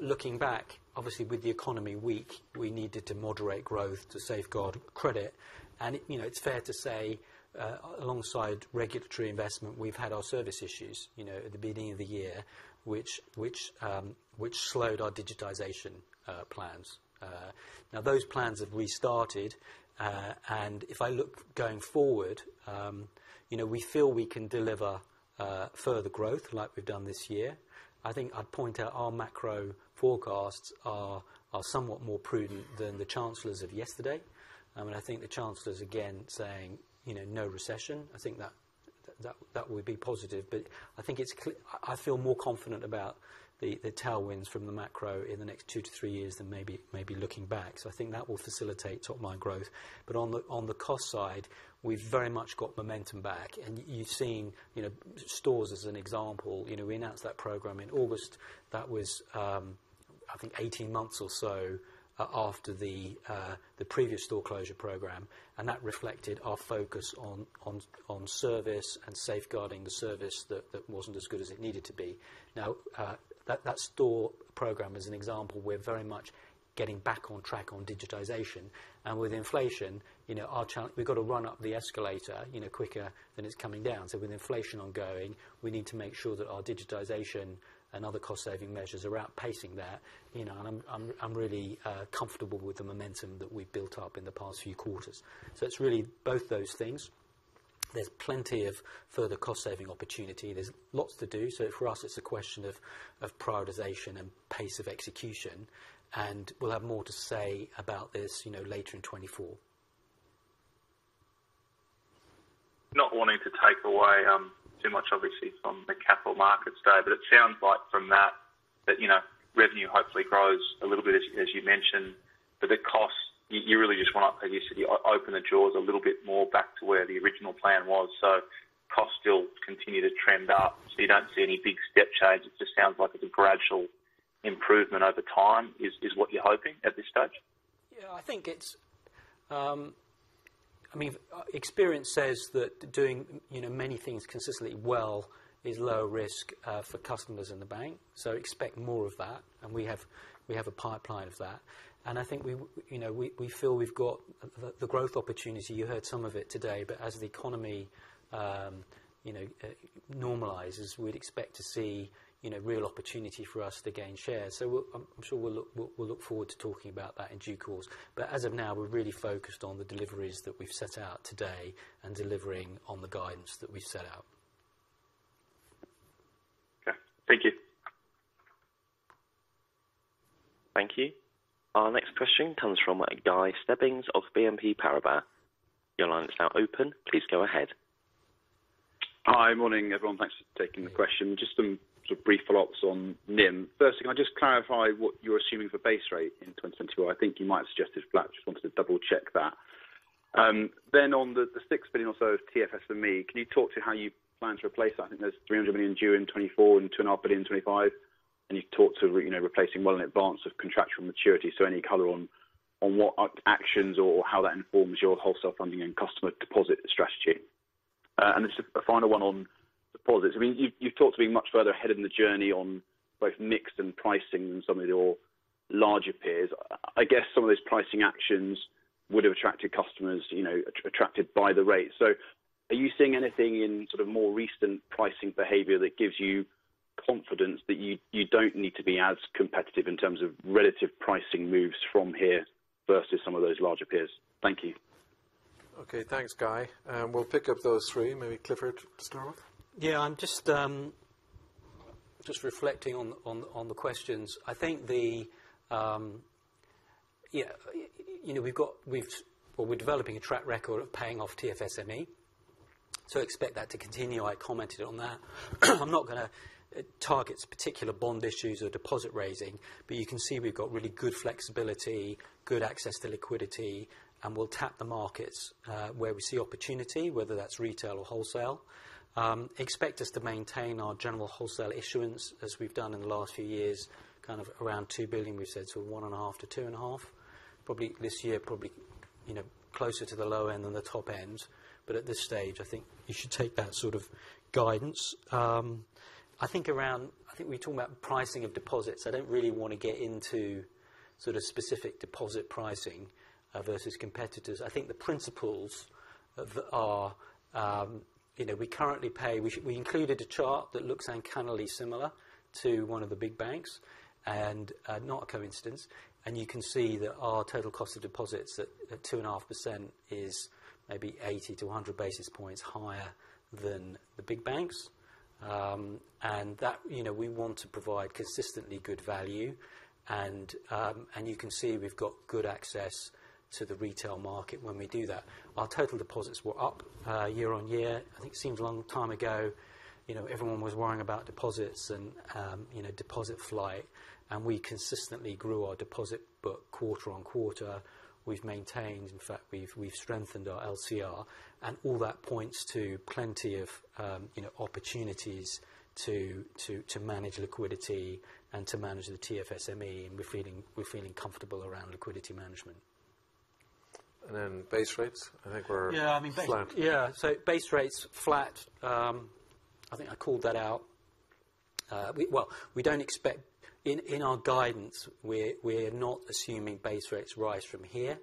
looking back, obviously, with the economy weak, we needed to moderate growth to safeguard credit. And, you know, it's fair to say, alongside regulatory investment, we've had our service issues, you know, at the beginning of the year, which slowed our digitization plans. Now, those plans have restarted, and if I look going forward, you know, we feel we can deliver further growth like we've done this year. I think I'd point out our macro forecasts are somewhat more prudent than the Chancellor's of yesterday. I mean, I think the Chancellor's, again, saying, you know, no recession. I think that would be positive, but I think it's I feel more confident about the tailwinds from the macro in the next two to three years than maybe looking back. So I think that will facilitate top-line growth. But on the cost side, we've very much got momentum back, and you've seen, you know, stores as an example. You know, we announced that program in August. That was, I think 18 months or so, after the previous store closure program, and that reflected our focus on service and safeguarding the service that wasn't as good as it needed to be. Now, that store program is an example. We're very much getting back on track on digitization, and with inflation, you know, we've got to run up the escalator, you know, quicker than it's coming down. So with inflation ongoing, we need to make sure that our digitization and other cost-saving measures are outpacing that, you know, and I'm really comfortable with the momentum that we've built up in the past few quarters. So it's really both those things. There's plenty of further cost-saving opportunity. There's lots to do. For us, it's a question of prioritization and pace of execution, and we'll have more to say about this, you know, later in 2024. Not wanting to take away too much, obviously, from the Capital Markets Day, but it sounds like from that, you know, revenue hopefully grows a little bit, as you mentioned. But the costs, you really just want to, like you said, you open the doors a little bit more back to where the original plan was. So costs still continue to trend up, so you don't see any big step change. It just sounds like it's a gradual improvement over time, is what you're hoping at this stage? Yeah, I think it's, I mean, experience says that doing, you know, many things consistently well is low risk, for customers in the bank. So expect more of that, and we have, we have a pipeline of that. And I think we, you know, we, we feel we've got the, the growth opportunity. You heard some of it today, but as the economy, you know, normalizes, we'd expect to see, you know, real opportunity for us to gain share. So I'm, I'm sure we'll look, we'll look forward to talking about that in due course. But as of now, we're really focused on the deliveries that we've set out today and delivering on the guidance that we set out. Okay. Thank you. Thank you. Our next question comes from Guy Stebbings of BNP Paribas. Your line is now open. Please go ahead. Hi. Morning, everyone. Thanks for taking the question. Just some sort of brief follow-ups on NIM. First, can I just clarify what you're assuming for base rate in 2024? I think you might have suggested flat. Just wanted to double check that. Then on the, the 6 billion or so of TFSME, can you talk to how you plan to replace that? I think there's 300 million due in 2024 and 2.5 billion in 2025, and you've talked to re- you know, replacing well in advance of contractual maturity. So any color on, on what are actions or how that informs your wholesale funding and customer deposit strategy? And just a final one on deposits. I mean, you've, you've talked to being much further ahead in the journey on both mix and pricing than some of your larger peers. I guess some of those pricing actions would have attracted customers, you know, attracted by the rate. So are you seeing anything in sort of more recent pricing behavior that gives you confidence that you don't need to be as competitive in terms of relative pricing moves from here versus some of those larger peers? Thank you. Okay. Thanks, Guy. We'll pick up those three. Maybe Clifford to start with? Yeah, I'm just reflecting on the questions. I think. Yeah, you know, we've got—we've, well, we're developing a track record of paying off TFSME, so expect that to continue. I commented on that. I'm not gonna target particular bond issues or deposit raising, but you can see we've got really good flexibility, good access to liquidity, and we'll tap the markets where we see opportunity, whether that's retail or wholesale. Expect us to maintain our general wholesale issuance, as we've done in the last few years, kind of around 2 billion, we've said, so 1.5 billion-2.5 billion. Probably this year, probably, you know, closer to the low end than the top end. But at this stage, I think you should take that sort of guidance. I think we talked about pricing of deposits. I don't really want to get into sort of specific deposit pricing versus competitors. I think the principles of our... You know, we included a chart that looks uncannily similar to one of the big banks, and not a coincidence. And you can see that our total cost of deposits at 2.5% is maybe 80-100 basis points higher than the big banks. And that, you know, we want to provide consistently good value, and you can see we've got good access to the retail market when we do that. Our total deposits were up year-on-year. I think it seems a long time ago, you know, everyone was worrying about deposits and, you know, deposit flight, and we consistently grew our deposit book quarter on quarter. We've maintained, in fact, we've strengthened our LCR, and all that points to plenty of, you know, opportunities to manage liquidity and to manage the TFSME, and we're feeling comfortable around liquidity management. And then base rates? I think we're- Yeah, I mean- Flat. Yeah. So base rates flat, I think I called that out. Well, we don't expect... In our guidance, we're not assuming base rates rise from here,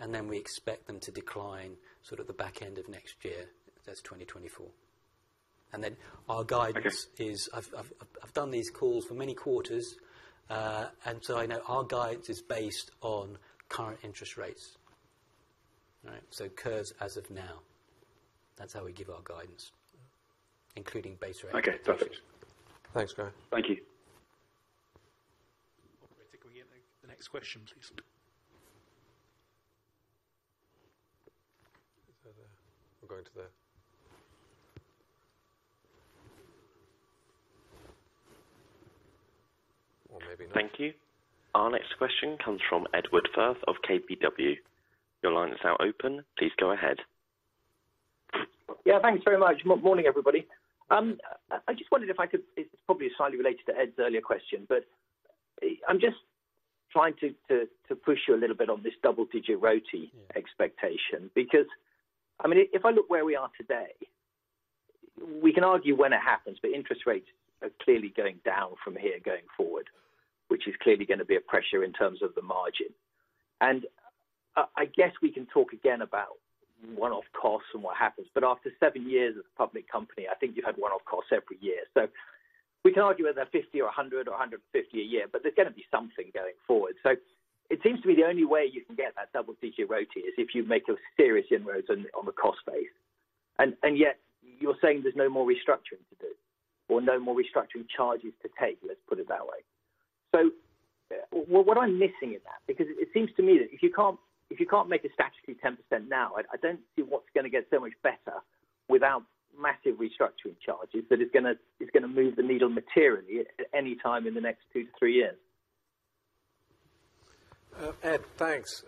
and then we expect them to decline sort of the back end of next year. That's 2024. And then our guidance- Okay. I've done these calls for many quarters, and so I know our guidance is based on current interest rates. All right? So curves as of now, that's how we give our guidance, including base rate. Okay, perfect. Thanks, Guy. Thank you. Operator, can we get the next question, please? Is that... We're going to the... Or maybe not. Thank you. Our next question comes from Edward Firth of KBW. Your line is now open. Please go ahead. Yeah, thanks very much. Morning, everybody. I just wondered if I could. It's probably slightly related to Ed's earlier question, but I'm just trying to push you a little bit on this double-digit ROTE expectation. Yeah. Because, I mean, if I look where we are today, we can argue when it happens, but interest rates are clearly going down from here going forward, which is clearly going to be a pressure in terms of the margin. And I, I guess we can talk again about one-off costs and what happens, but after seven years as a public company, I think you've had one-off costs every year. So we can argue whether 50 or 100 or 150 a year, but there's going to be something going forward. So it seems to me the only way you can get that double figure ROTE is if you make serious inroads on, on the cost base. And, and yet you're saying there's no more restructuring to do or no more restructuring charges to take, let's put it that way. So what am I missing in that? Because it seems to me that if you can't, if you can't make a statutory 10% now, I, I don't see what's going to get so much better without massive restructuring charges, that is gonna, is gonna move the needle materially at any time in the next two to three years. Ed, thanks.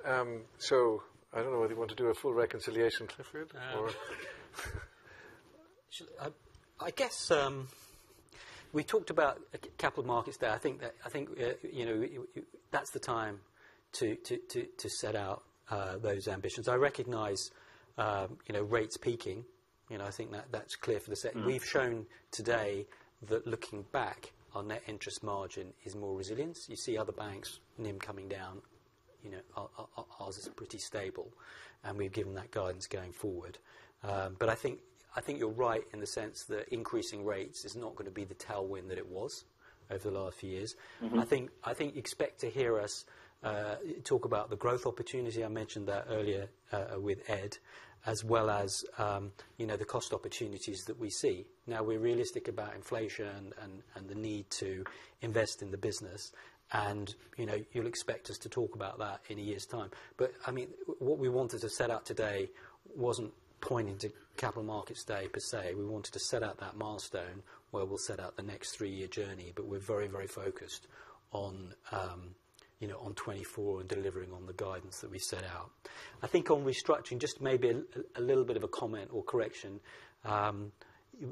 So I don't know whether you want to do a full reconciliation, Clifford, or... I guess, we talked about capital markets there. I think that, you know, that's the time to set out those ambitions. I recognize, you know, rates peaking, you know, I think that, that's clear for the second. Mm. We've shown today that looking back, our net interest margin is more resilient. You see other banks, NIM coming down. You know, our, our, ours is pretty stable, and we've given that guidance going forward. But I think, I think you're right in the sense that increasing rates is not going to be the tailwind that it was over the last few years. Mm-hmm. I think expect to hear us talk about the growth opportunity. I mentioned that earlier with Ed, as well as you know the cost opportunities that we see. Now, we're realistic about inflation and the need to invest in the business. You know, you'll expect us to talk about that in a year's time. But I mean what we wanted to set out today wasn't pointing to Capital Markets Day, per se. We wanted to set out that milestone, where we'll set out the next three-year journey, but we're very, very focused on you know on 2024 and delivering on the guidance that we set out. I think on restructuring, just maybe a little bit of a comment or correction.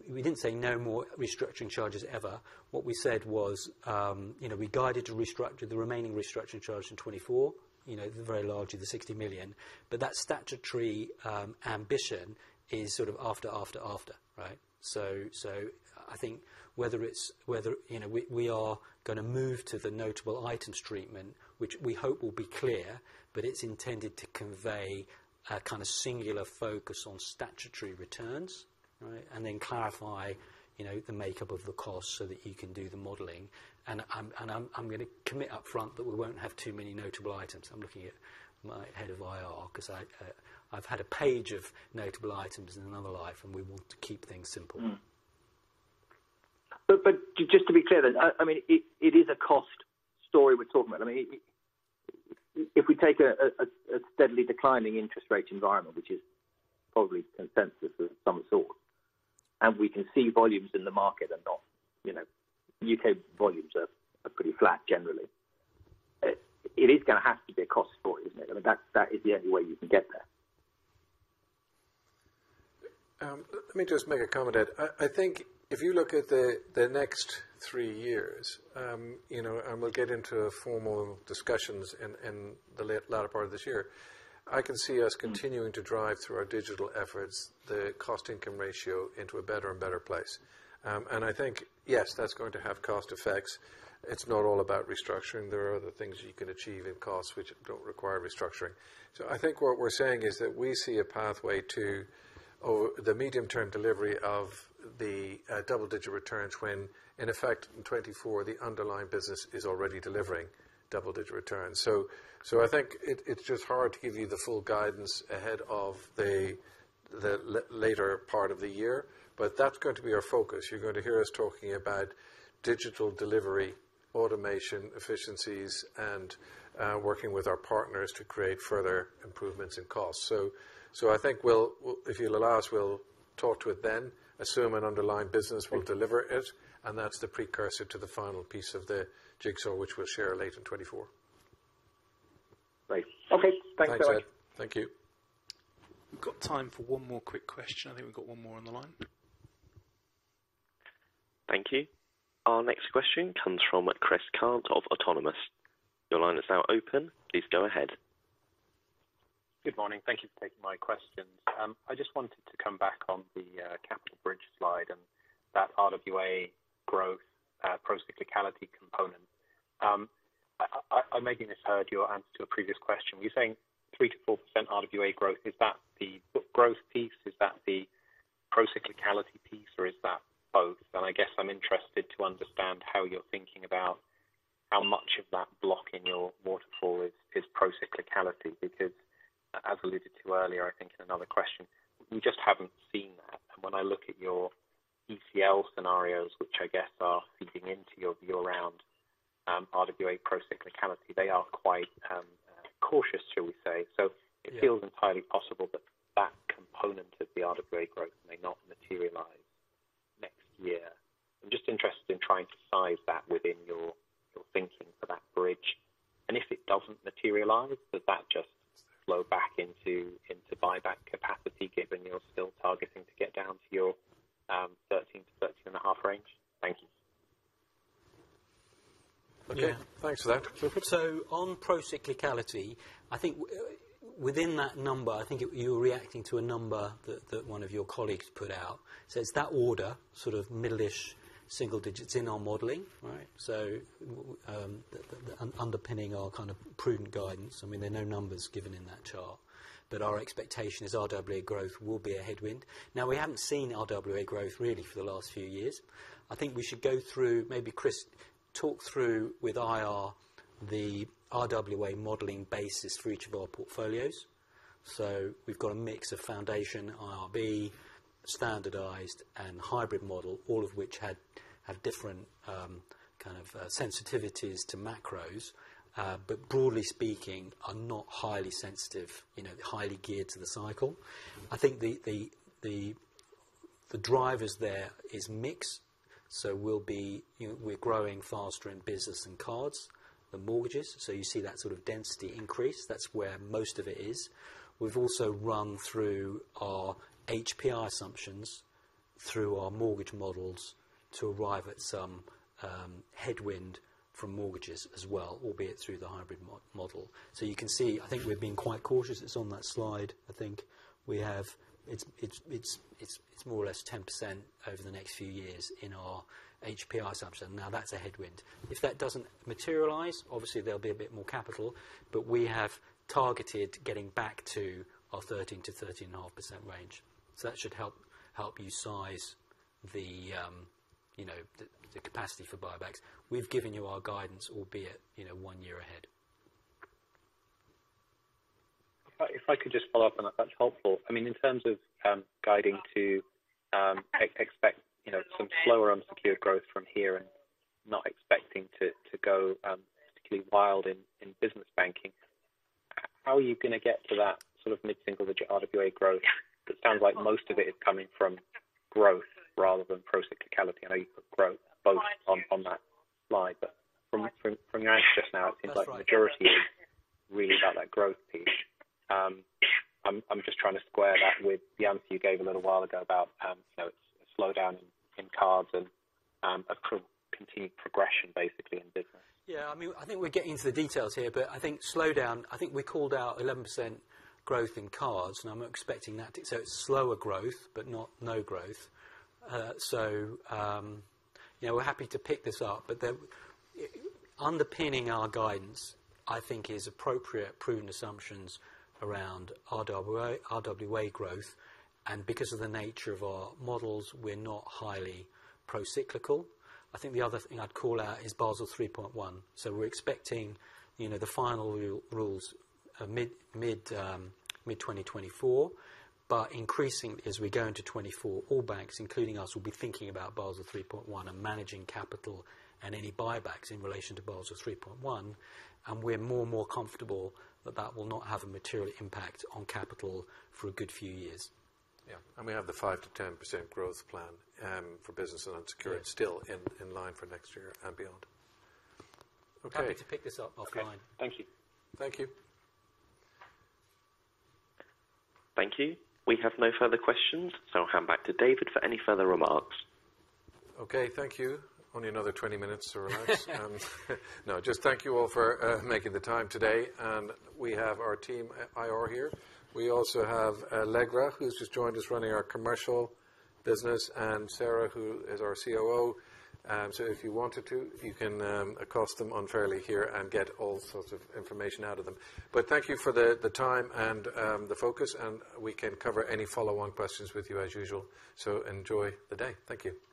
We didn't say no more restructuring charges ever. What we said was, you know, we guided to restructure the remaining restructuring charge in 2024, you know, the very large, the 60 million. But that statutory ambition is sort of after, right? So I think whether it's, you know, we are gonna move to the notable items treatment, which we hope will be clear, but it's intended to convey a kind of singular focus on statutory returns, right? And then clarify, you know, the makeup of the cost so that you can do the modeling. And I'm gonna commit upfront that we won't have too many notable items. I'm looking at my head of IR because I've had a page of notable items in another life, and we want to keep things simple. Mm.... But just to be clear then, I mean, it is a cost story we're talking about. I mean, if we take a steadily declining interest rate environment, which is probably consensus of some sort, and we can see volumes in the market are not, you know, U.K. volumes are pretty flat generally. It is gonna have to be a cost story, isn't it? I mean, that's, that is the only way you can get there. Let me just make a comment there. I think if you look at the next three years, you know, and we'll get into formal discussions in the latter part of this year, I can see us continuing to drive through our digital efforts, the cost income ratio into a better and better place. And I think, yes, that's going to have cost effects. It's not all about restructuring. There are other things you can achieve in costs which don't require restructuring. So I think what we're saying is that we see a pathway to over the medium-term delivery of the double-digit returns when, in effect, in 2024, the underlying business is already delivering double-digit returns. So, I think it's just hard to give you the full guidance ahead of the later part of the year, but that's going to be our focus. You're going to hear us talking about digital delivery, automation, efficiencies, and working with our partners to create further improvements in cost. So, I think we'll—if you'll allow us, we'll talk to it then, assume an underlying business will deliver it, and that's the precursor to the final piece of the jigsaw, which we'll share late in 2024. Great. Okay. Thanks, David. Thanks, Ed. Thank you. We've got time for one more quick question. I think we've got one more on the line. Thank you. Our next question comes from Chris Cant of Autonomous. Your line is now open. Please go ahead. Good morning. Thank you for taking my questions. I just wanted to come back on the capital bridge slide and that RWA growth procyclicality component. I maybe misheard your answer to a previous question. Were you saying 3%-4% RWA growth, is that the growth piece, is that the procyclicality piece, or is that both? And I guess I'm interested to understand how you're thinking about how much of that block in your waterfall is procyclicality, because as alluded to earlier, I think in another question, we just haven't seen that. And when I look at your ECL scenarios, which I guess are feeding into your view around RWA procyclicality, they are quite cautious, shall we say. So it feels entirely possible that that component of the RWA growth may not materialize next year. I'm just interested in trying to size that within your, your thinking for that bridge. And if it doesn't materialize, does that just flow back into, into buyback capacity, given you're still targeting to get down to your, 13-13.5 range? Thank you. Okay, thanks for that. So on procyclicality, I think within that number, I think you, you're reacting to a number that one of your colleagues put out. So it's that order, sort of middle-ish, single digits in our modeling, right? So, underpinning our kind of prudent guidance, I mean, there are no numbers given in that chart, but our expectation is RWA growth will be a headwind. Now, we haven't seen RWA growth, really, for the last few years. I think we should go through, maybe Chris, talk through with IR, the RWA modeling basis for each of our portfolios. So we've got a mix of Foundation IRB, standardized and hybrid model, all of which had different, kind of, sensitivities to macros. But broadly speaking, are not highly sensitive, you know, highly geared to the cycle. I think the drivers there is mix, so we'll be, you know, we're growing faster in business than cards, than mortgages. So you see that sort of density increase. That's where most of it is. We've also run through our HPI assumptions through our mortgage models to arrive at some headwind from mortgages as well, albeit through the hybrid model. So you can see, I think we've been quite cautious. It's on that slide. I think we have... It's more or less 10% over the next few years in our HPI assumption. Now, that's a headwind. If that doesn't materialize, obviously there'll be a bit more capital, but we have targeted getting back to our 13%-13.5% range. So that should help you size the, you know, the capacity for buybacks. We've given you our guidance, albeit, you know, one year ahead. If I could just follow up on that, that's helpful. I mean, in terms of guiding to expect, you know, some slower unsecured growth from here and not expecting to go particularly wild in business banking, how are you gonna get to that sort of mid-single digit RWA growth? That sounds like most of it is coming from growth rather than procyclicality. I know you put growth both on that slide, but from your answer just now, it seems like the majority is really about that growth piece. I'm just trying to square that with the answer you gave a little while ago about, you know, slowdown in cards and a continued progression, basically, in business. Yeah, I mean, I think we're getting into the details here, but I think slowdown, I think we called out 11% growth in cards, and I'm expecting that. So it's slower growth, but not no growth. so, you know, we're happy to pick this up, but then underpinning our guidance, I think, is appropriate prudent assumptions around RWA, RWA growth, and because of the nature of our models, we're not highly procyclical. I think the other thing I'd call out is Basel 3.1. So we're expecting, you know, the final rules, mid-2024, but increasing as we go into 2024. All banks, including us, will be thinking about Basel 3.1 and managing capital and any buybacks in relation to Basel 3.1. We're more and more comfortable that that will not have a material impact on capital for a good few years. Yeah, and we have the 5%-10% growth plan for business and unsecured still in line for next year and beyond. Okay. Happy to pick this up offline. Thank you. Thank you. Thank you. We have no further questions, so I'll hand back to David for any further remarks. Okay, thank you. Only another 20 minutes to relax. No, just thank you all for making the time today, and we have our team, IR, here. We also have Allegra, who's just joined us running our commercial business, and Sarah, who is our COO. So if you wanted to, you can accost them unfairly here and get all sorts of information out of them. But thank you for the time and the focus, and we can cover any follow-on questions with you as usual. So enjoy the day. Thank you. Richard? Good. Okay.